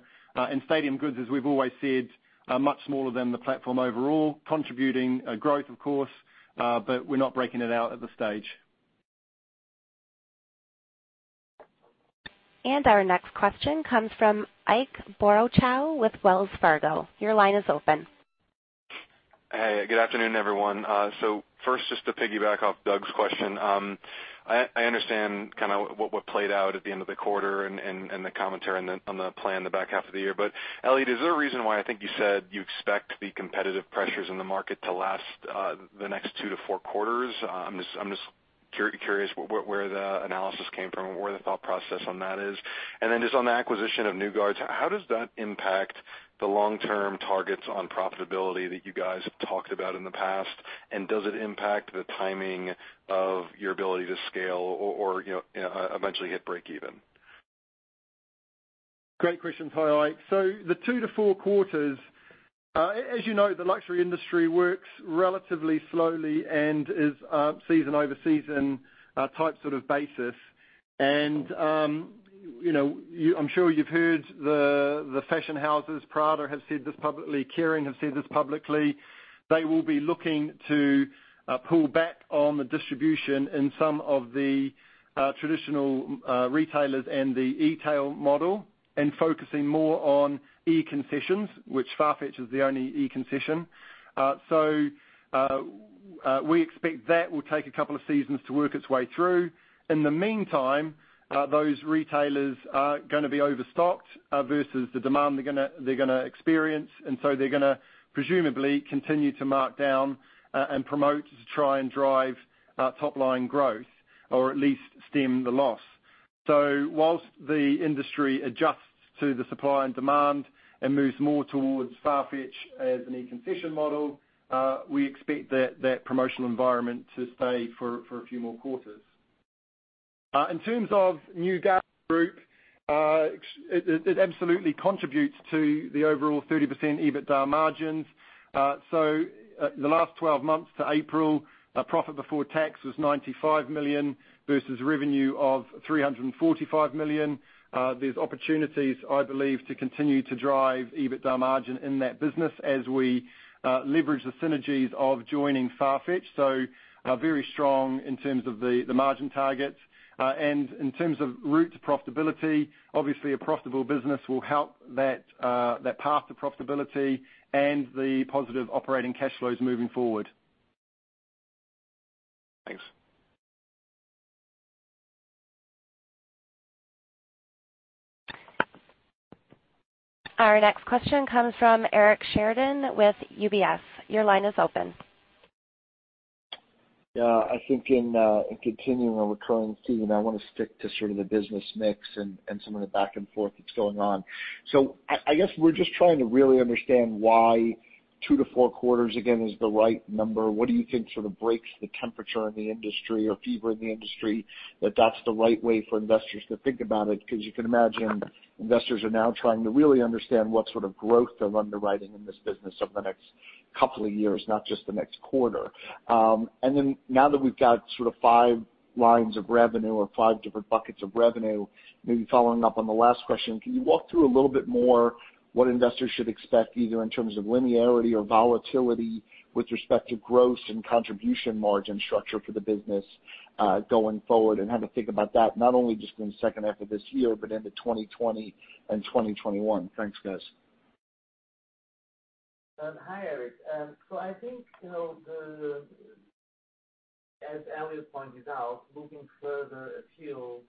Stadium Goods, as we've always said, are much smaller than the platform overall, contributing growth, of course, but we're not breaking it out at this stage. Our next question comes from Ike Boruchow with Wells Fargo. Your line is open. Hey, good afternoon, everyone. First, just to piggyback off Doug's question. I understand what played out at the end of the quarter and the commentary on the plan the back half of the year. Elliot, is there a reason why I think you said you expect the competitive pressures in the market to last the next two to four quarters? I'm just curious where the analysis came from and where the thought process on that is. Then just on the acquisition of New Guards, how does that impact the long-term targets on profitability that you guys have talked about in the past? Does it impact the timing of your ability to scale or eventually hit breakeven? Great questions. Hi, Ike. The two to four quarters, as you know, the luxury industry works relatively slowly and is season over season type basis. I'm sure you've heard the fashion houses, Prada have said this publicly, Kering have said this publicly. They will be looking to pull back on the distribution in some of the traditional retailers and the e-tail model and focusing more on e-concessions, which Farfetch is the only e-concession. We expect that will take a couple of seasons to work its way through. In the meantime, those retailers are going to be overstocked versus the demand they're going to experience. They're going to presumably continue to mark down and promote to try and drive top-line growth or at least stem the loss. Whilst the industry adjusts to the supply and demand and moves more towards Farfetch as an e-concession model, we expect that promotional environment to stay for a few more quarters. In terms of New Guards Group, it absolutely contributes to the overall 30% EBITDA margins. The last 12 months to April, profit before tax was $95 million versus revenue of $345 million. There's opportunities, I believe, to continue to drive EBITDA margin in that business as we leverage the synergies of joining Farfetch. Very strong in terms of the margin targets. In terms of route to profitability, obviously a profitable business will help that path to profitability and the positive operating cash flows moving forward. Thanks. Our next question comes from Eric Sheridan with UBS. Your line is open. Yeah, I think in continuing a recurring theme, I want to stick to sort of the business mix and some of the back and forth that's going on. I guess we're just trying to really understand why 2-4 quarters again is the right number. What do you think sort of breaks the temperature in the industry or fever in the industry, that that's the right way for investors to think about it? You can imagine investors are now trying to really understand what sort of growth they're underwriting in this business over the next couple of years, not just the next quarter. Now that we've got sort of five lines of revenue or five different buckets of revenue, maybe following up on the last question, can you walk through a little bit more what investors should expect either in terms of linearity or volatility with respect to gross and contribution margin structure for the business going forward and how to think about that not only just in the second half of this year, but into 2020 and 2021? Thanks, guys. Hi, Eric. I think as Elliot pointed out, looking further afield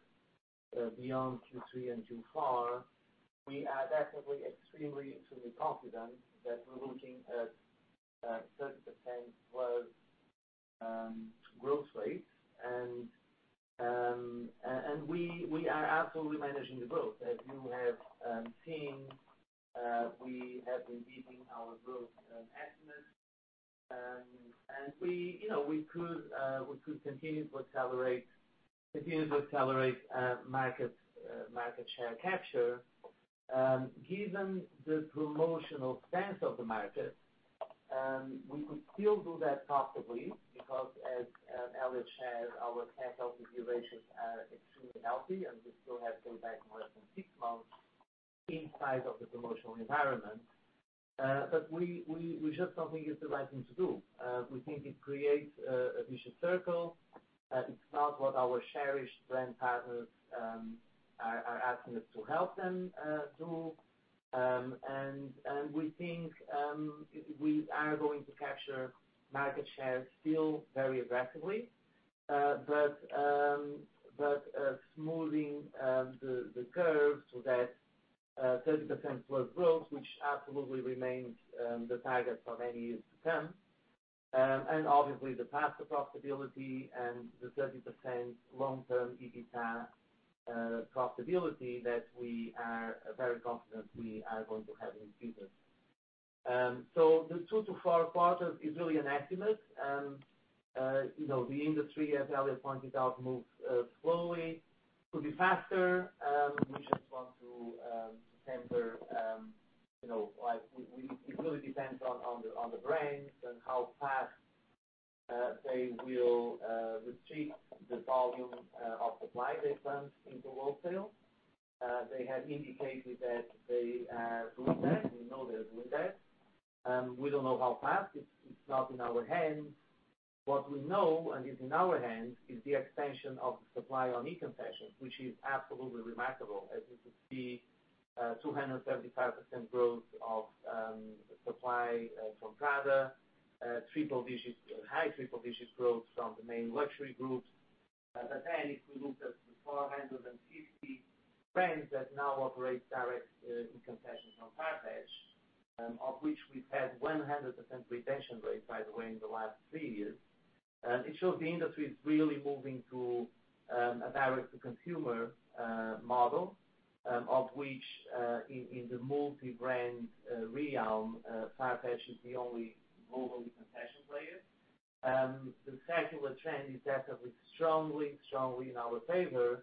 beyond Q3 and Q4, we are definitely extremely confident that we are looking at 30% growth rates. We are absolutely managing the growth. As you have seen, we have been beating our growth estimates. We could continue to accelerate market share capture. Given the promotional stance of the market, we could still do that profitably because as Elliot shared, our cash conversion ratios are extremely healthy, and we still have paybacks more than six months inside of the promotional environment. We just don't think it's the right thing to do. We think it creates a vicious circle. It's not what our cherished brand partners are asking us to help them do. We think we are going to capture market share still very aggressively. Smoothing the curve so that 30%+ growth, which absolutely remains the target for many years to come, and obviously the path to profitability and the 30% long-term EBITDA profitability that we are very confident we are going to have in future. The two to four quarters is really an estimate. The industry, as Elliot pointed out, moves slowly. Could be faster. We just want to temper. It really depends on the brands and how fast they will retreat the volume of supply they planned into wholesale. They have indicated that they are doing that. We know they're doing that. We don't know how fast. It's not in our hands. What we know, and is in our hands, is the expansion of the supply on e-concessions, which is absolutely remarkable. As you could see, 275% growth of supply from Prada, high triple-digit growth from the main luxury groups. If we look at the 450 brands that now operate direct in concessions on Farfetch, of which we've had 100% retention rate, by the way, in the last three years, it shows the industry is really moving to a direct-to-consumer model, of which in the multi-brand realm, Farfetch is the only global concession player. The secular trend is definitely strongly in our favor.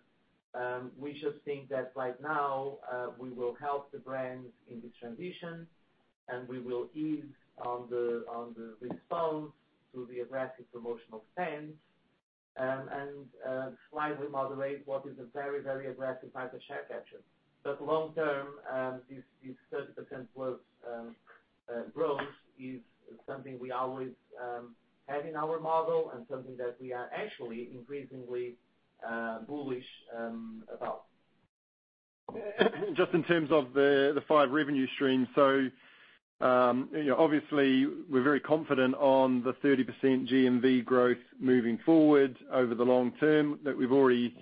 We just think that right now, we will help the brands in this transition, and we will ease on the response to the aggressive promotional spend, and slightly modulate what is a very aggressive type of share capture. Long term, this 30% plus growth is something we always had in our model and something that we are actually increasingly bullish about. Just in terms of the five revenue streams. Obviously, we're very confident on the 30% GMV growth moving forward over the long term, that we've already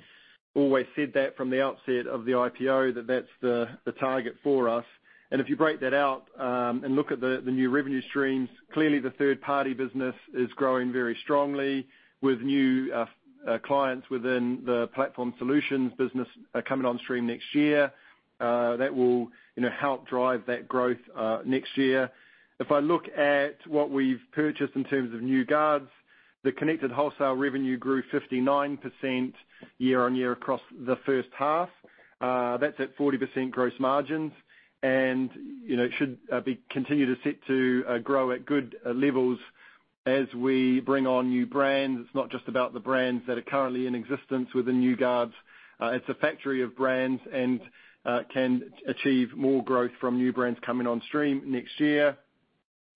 always said that from the outset of the IPO, that that's the target for us. If you break that out, and look at the new revenue streams, clearly the third-party business is growing very strongly with new clients within the Platform Solutions business coming on stream next year. That will help drive that growth, next year. If I look at what we've purchased in terms of New Guards, the connected wholesale revenue grew 59% year-on-year across the first half. That's at 40% gross margins. It should continue to set to grow at good levels as we bring on new brands. It's not just about the brands that are currently in existence within New Guards. It's a factory of brands and can achieve more growth from new brands coming on stream next year.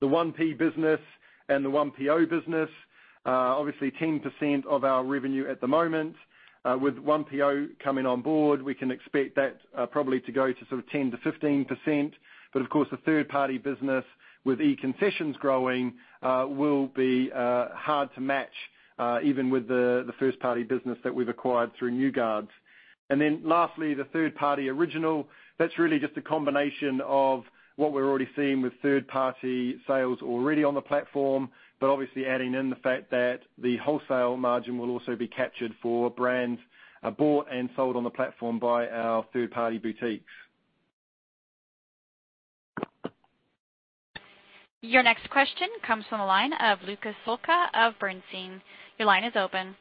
The 1P business and the 1PO business, obviously 10% of our revenue at the moment. With 1PO coming on board, we can expect that probably to go to sort of 10%-15%. Of course, the third-party business with e-concessions growing, will be hard to match, even with the first-party business that we've acquired through New Guards. Lastly, the third-party original. That's really just a combination of what we're already seeing with third-party sales already on the platform, but obviously adding in the fact that the wholesale margin will also be captured for brands bought and sold on the platform by our third-party boutiques. Your next question comes from the line of Luca Solca of Bernstein. Your line is open.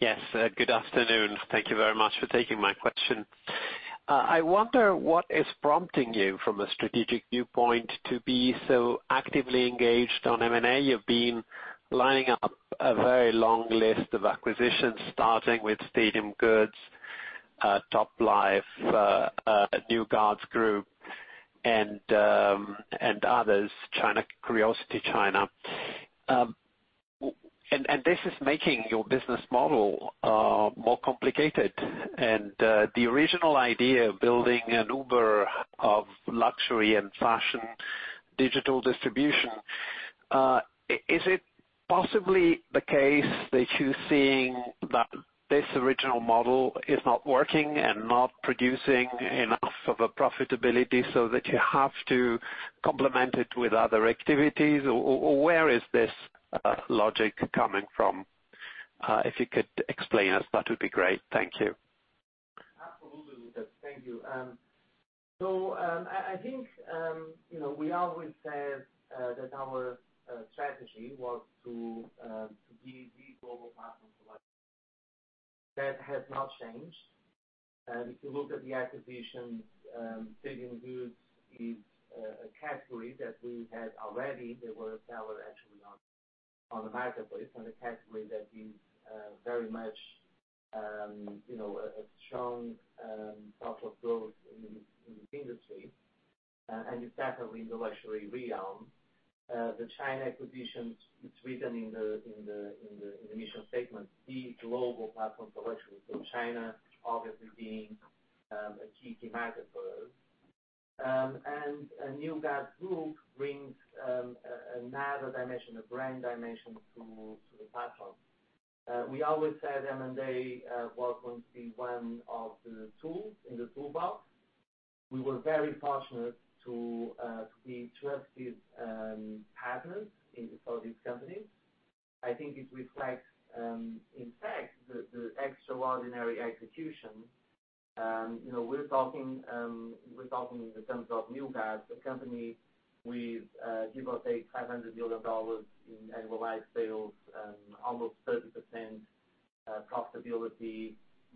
Yes. Good afternoon. Thank you very much for taking my question. I wonder what is prompting you, from a strategic viewpoint, to be so actively engaged on M&A. You've been lining up a very long list of acquisitions, starting with Stadium Goods, Toplife, New Guards Group, and others, Curiosity China. This is making your business model more complicated. The original idea of building an Uber of luxury and fashion digital distribution, is it possibly the case that you're seeing that this original model is not working and not producing enough of a profitability so that you have to complement it with other activities? Where is this logic coming from? If you could explain us, that would be great. Thank you. Absolutely, Luca. Thank you. I think we always said that our strategy was to be the global platform for luxury. That has not changed. If you look at the acquisitions, Stadium Goods is a category that we had already. They were a seller actually on the marketplace, and a category that is very much a strong source of growth in this industry, and it's definitely in the luxury realm. The China acquisitions, it's written in the initial statement, the global platform for luxury. China, obviously being a key market for us. New Guards Group brings another dimension, a brand dimension to the platform. We always said M&A was going to be one of the tools in the toolbox. We were very fortunate to be trusted partners for these companies. I think it reflects, in fact, the extraordinary execution. We're talking in terms of New Guards, a company with give or take $500 million in annualized sales and almost 30% profitability,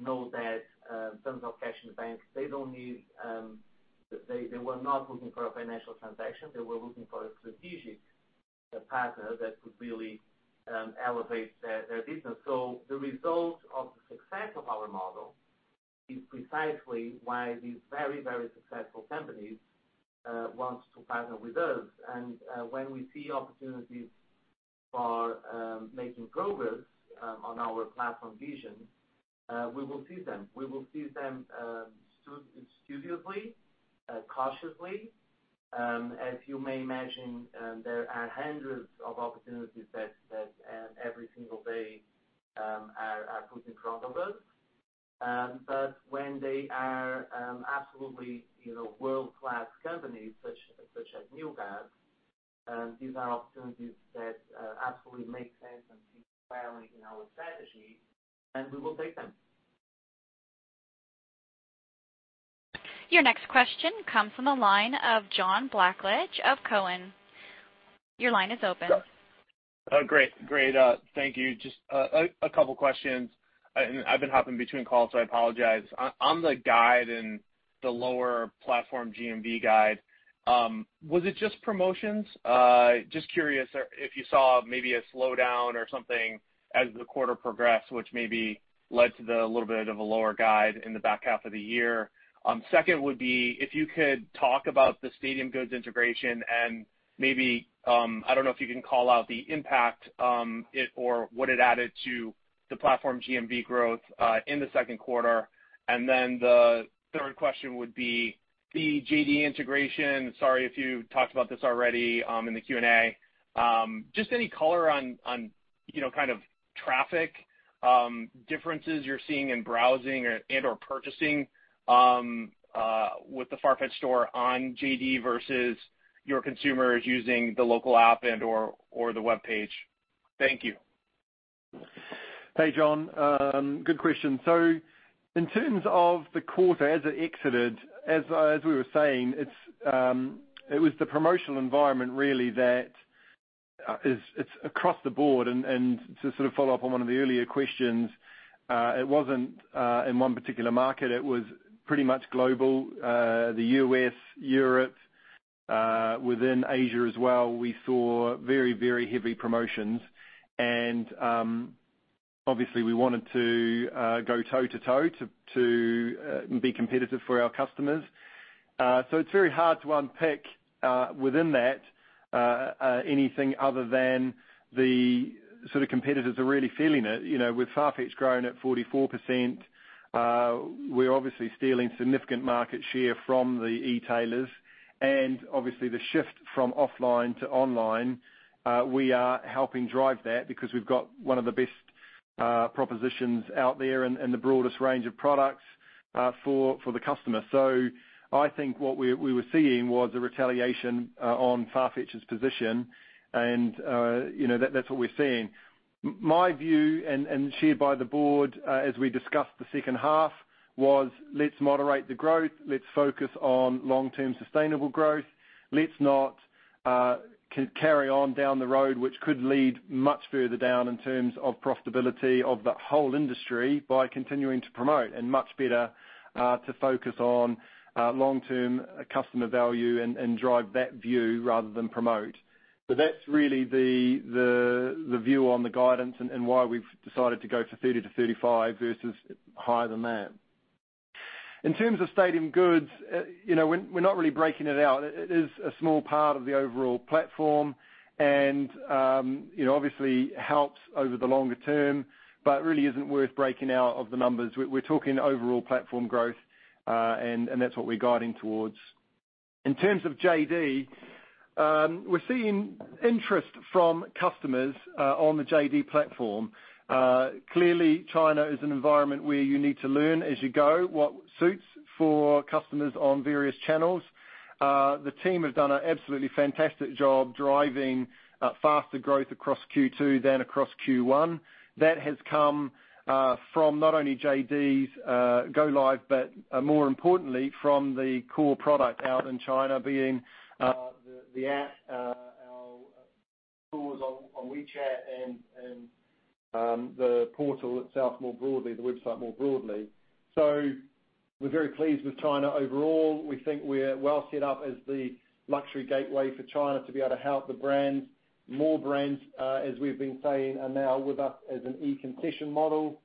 no debt, tons of cash in the bank. They were not looking for a financial transaction. They were looking for a strategic partner that could really elevate their business. The result of the success of our model is precisely why these very successful companies want to partner with us. When we see opportunities for making progress on our platform vision, we will seize them. We will seize them studiously, cautiously. As you may imagine, there are hundreds of opportunities that every single day are put in front of us. When they are absolutely world-class companies such as New Guards, these are opportunities that absolutely make sense and fit squarely in our strategy, and we will take them. Your next question comes from the line of John Blackledge of Cowen. Your line is open. Great. Thank you. Just a couple of questions. I've been hopping between calls, so I apologize. On the guide and the lower platform GMV guide, was it just promotions? Just curious if you saw maybe a slowdown or something as the quarter progressed, which maybe led to the little bit of a lower guide in the back half of the year. Second would be, if you could talk about the Stadium Goods integration and maybe, I don't know if you can call out the impact or what it added to the platform GMV growth in the second quarter. The third question would be the JD.com integration. Sorry if you talked about this already in the Q&A. Just any color on kind of traffic differences you're seeing in browsing and/or purchasing with the Farfetch store on JD.com versus your consumers using the local app and/or the webpage. Thank you. Hey, John. Good question. In terms of the quarter as it exited, as we were saying, it was the promotional environment, really, that it's across the board. To sort of follow up on one of the earlier questions, it wasn't in one particular market, it was pretty much global. The U.S., Europe, within Asia as well, we saw very heavy promotions. Obviously, we wanted to go toe to toe to be competitive for our customers. It's very hard to unpick within that anything other than the sort of competitors are really feeling it. With Farfetch growing at 44%, we're obviously stealing significant market share from the e-tailers. Obviously, the shift from offline to online, we are helping drive that because we've got one of the best propositions out there and the broadest range of products for the customer. I think what we were seeing was a retaliation on Farfetch's position, and that's what we're seeing. My view, and shared by the board as we discussed the second half, was, let's moderate the growth. Let's focus on long-term sustainable growth. Let's not carry on down the road, which could lead much further down in terms of profitability of the whole industry by continuing to promote, and much better to focus on long-term customer value and drive that view rather than promote. That's really the view on the guidance and why we've decided to go for 30% to 35% versus higher than that. In terms of Stadium Goods, we're not really breaking it out. It is a small part of the overall platform, and obviously helps over the longer term, but really isn't worth breaking out of the numbers. We're talking overall platform growth, and that's what we're guiding towards. In terms of JD.com, we're seeing interest from customers on the JD.com platform. Clearly, China is an environment where you need to learn as you go what suits for customers on various channels. The team have done an absolutely fantastic job driving faster growth across Q2 than across Q1. That has come from not only JD.com's go live, but more importantly from the core product out in China being the app, our stores on WeChat, and the portal itself more broadly, the website more broadly. We're very pleased with China overall. We think we're well set up as the luxury gateway for China to be able to help the brands. More brands, as we've been saying, are now with us as an e-concession model.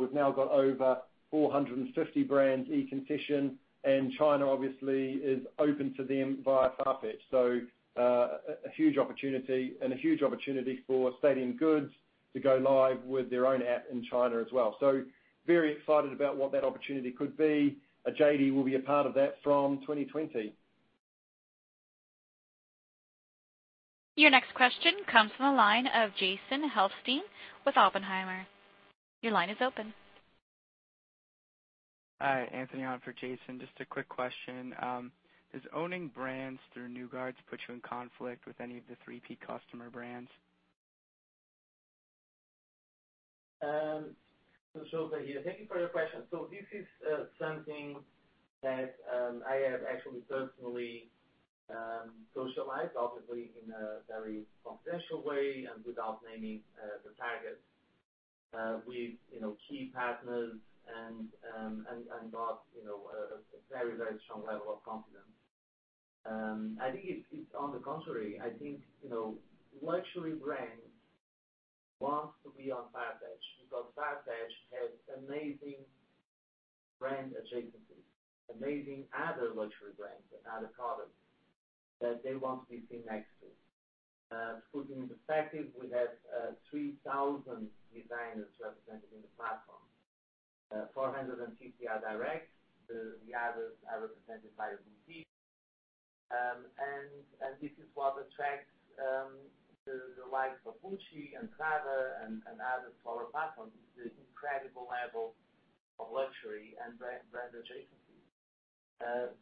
We've now got over 450 brands e-concession, and China obviously is open to them via Farfetch. A huge opportunity, and a huge opportunity for Stadium Goods to go live with their own app in China as well. Very excited about what that opportunity could be. JD.com will be a part of that from 2020. Your next question comes from the line of Jason Helfstein with Oppenheimer. Your line is open. Hi, Anthony on for Jason. Just a quick question. Does owning brands through New Guards put you in conflict with any of the 3P customer brands? José here. Thank you for your question. This is something that I have actually personally socialized, obviously in a very confidential way and without naming the targets. With key partners and got a very strong level of confidence. I think it's on the contrary. I think luxury brands want to be on Farfetch because Farfetch has amazing brand adjacencies, amazing other luxury brands and other products that they want to be seen next to. To put it into perspective, we have 3,000 designers represented in the platform. 450 are direct. The others are represented by a boutique. This is what attracts the likes of Gucci and Prada and others to our platform, is the incredible level of luxury and brand adjacencies.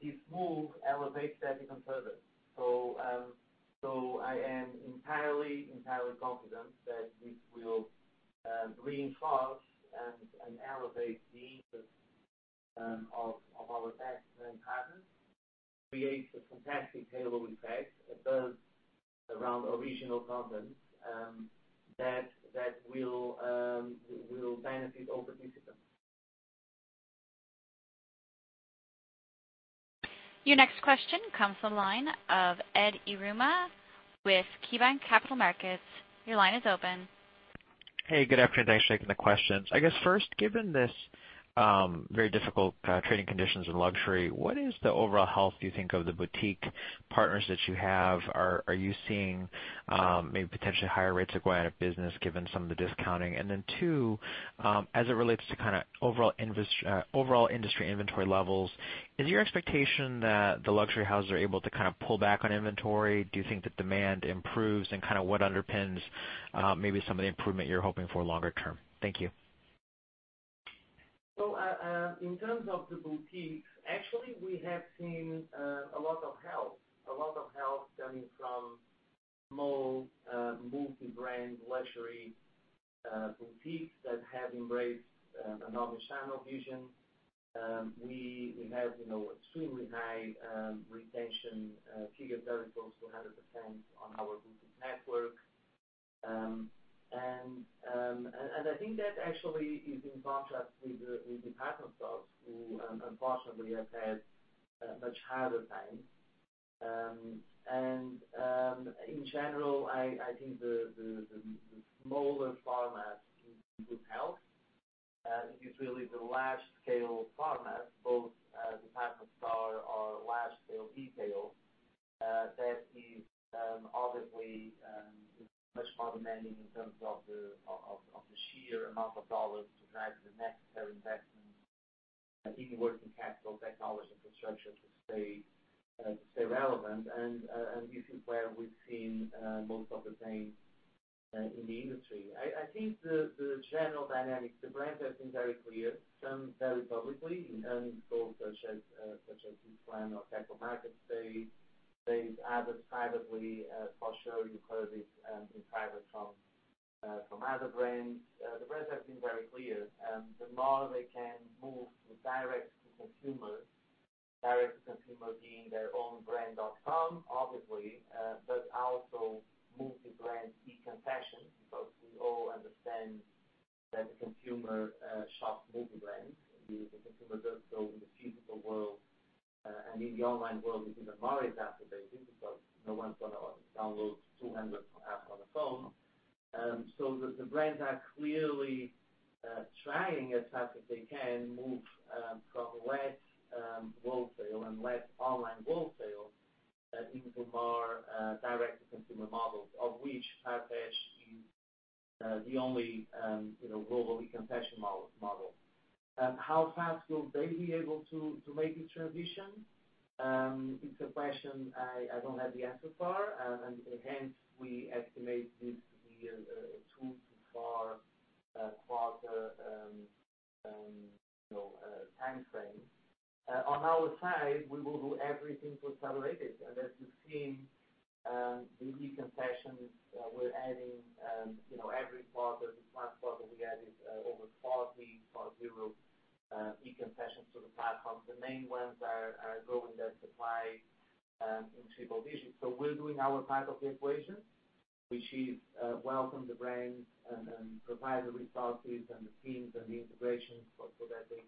This move elevates that even further. I am entirely confident that this will reinforce and elevate the interest of our best brand partners, create a fantastic halo effect, it does around original content, that will benefit all participants. Your next question comes from the line of Edward Yruma with KeyBanc Capital Markets. Your line is open. Hey, good afternoon. Thanks for taking the questions. I guess first, given this very difficult trading conditions in luxury, what is the overall health, do you think, of the boutique partners that you have? Are you seeing maybe potentially higher rates of go out of business given some of the discounting? Then two, as it relates to kind of overall industry inventory levels, is your expectation that the luxury houses are able to kind of pull back on inventory? Do you think that demand improves? Kind of what underpins maybe some of the improvement you're hoping for longer term? Thank you. In terms of the boutiques, actually, we have seen a lot of health. A lot of health coming from small multi-brand luxury boutiques that have embraced an omnichannel vision. We have extremely high retention, figure very close to 100% on our boutique network. I think that actually is in contrast with department stores who unfortunately have had a much harder time. In general, I think the smaller formats in good health. It's really the large-scale format, both department store or large-scale retail, that is obviously much more demanding in terms of the sheer amount of dollars to drive the necessary investments in working capital, technology, infrastructure to stay relevant. This is where we've seen most of the pain in the industry. I think the general dynamics, the brands have been very clear, some very publicly in earnings calls such as this one or capital markets day. They've advertised it for sure. You've heard it in private from other brands. The brands have been very clear. The more they can move the direct to consumer, direct to consumer being their own brand.com, obviously, but also multi-brand e-concessions, because we all understand that the consumer shops multi-brand. The consumer doesn't go in the physical world, and in the online world it's even more exacerbated because no one's going to download 200 apps on a phone. The brands are clearly trying as hard as they can move from less wholesale and less online wholesale into more direct to consumer models, of which Farfetch is the only globally concession model. How fast will they be able to make the transition? It's a question I don't have the answer for. Hence, we estimate this to be a two to four quarter time frame. On our side, we will do everything to accelerate it. As you've seen in e-concessions, we're adding every quarter. This last quarter, we added over 40, 4-0, e-concessions to the platform. The main ones are growing their supply in triple digits. We're doing our part of the equation, which is welcome the brands and provide the resources and the teams and the integrations so that they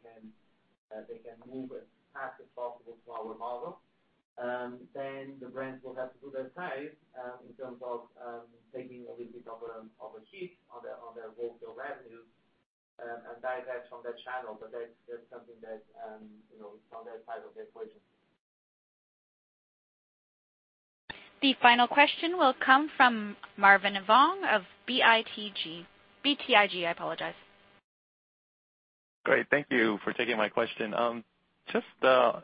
can move as fast as possible to our model. The brands will have to do their side in terms of taking a little bit of a hit on their wholesale revenue and divert from that channel. That's something that it's on their side of the equation. The final question will come from Marvin Fong of BTIG. BTIG, I apologize. Great. Thank you for taking my question. Just a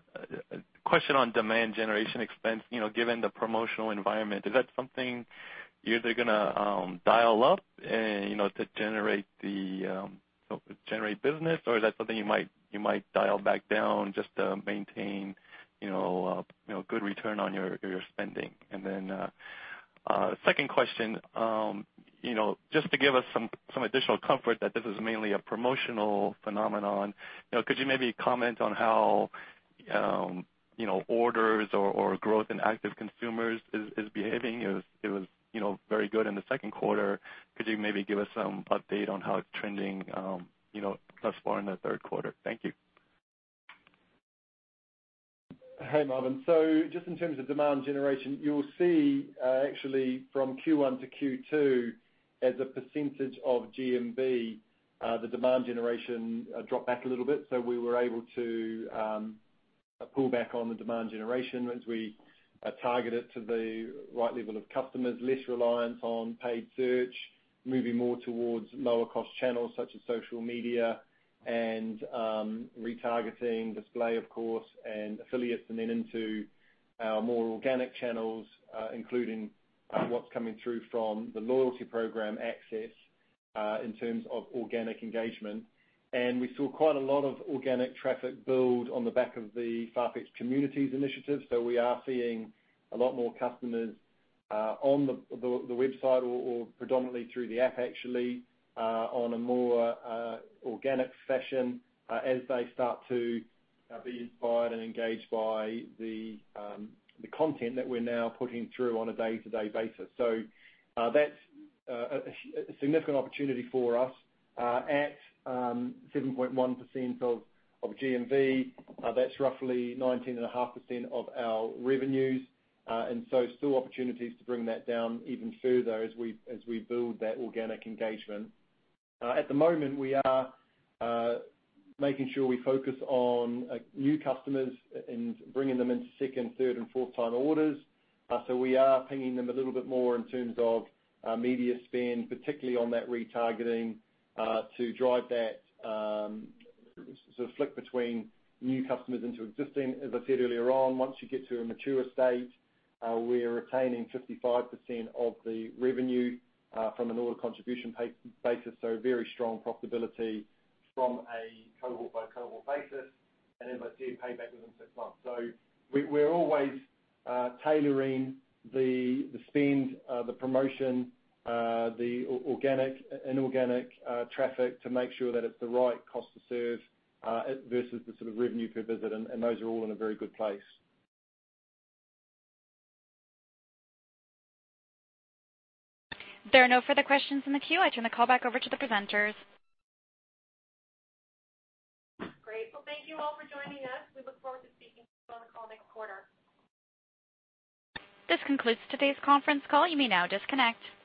question on demand generation expense. Given the promotional environment, is that something you're either going to dial up to generate business? Is that something you might dial back down just to maintain a good return on your spending? Second question, just to give us some additional comfort that this is mainly a promotional phenomenon, could you maybe comment on how orders or growth in active consumers is behaving? It was very good in the second quarter. Could you maybe give us some update on how it's trending thus far in the third quarter? Thank you. Hey, Marvin. Just in terms of demand generation, you'll see actually from Q1 to Q2 as a percentage of GMV, the demand generation dropped back a little bit. We were able to pull back on the demand generation as we target it to the right level of customers, less reliance on paid search, moving more towards lower cost channels such as social media and retargeting display of course, and affiliates, and then into our more organic channels, including what's coming through from the loyalty program Farfetch Access, in terms of organic engagement. We saw quite a lot of organic traffic build on the back of the Farfetch Communities initiative. We are seeing a lot more customers on the website or predominantly through the app, actually, on a more organic session, as they start to be inspired and engaged by the content that we're now putting through on a day-to-day basis. That's a significant opportunity for us. At 7.1% of GMV, that's roughly 19.5% of our revenues. Still opportunities to bring that down even further as we build that organic engagement. At the moment, we are making sure we focus on new customers and bringing them into second, third, and fourth-time orders. We are pinging them a little bit more in terms of media spend, particularly on that retargeting, to drive that sort of flick between new customers into existing. As I said earlier on, once you get to a mature state, we're retaining 55% of the revenue from an order contribution basis, very strong profitability from a cohort-by-cohort basis, and as I said, pay back within six months. We're always tailoring the spend, the promotion, the organic and inorganic traffic to make sure that it's the right cost to serve, versus the sort of revenue per visit, and those are all in a very good place. There are no further questions in the queue. I turn the call back over to the presenters. Great. Well, thank you all for joining us. We look forward to speaking to you on the call next quarter. This concludes today's conference call. You may now disconnect.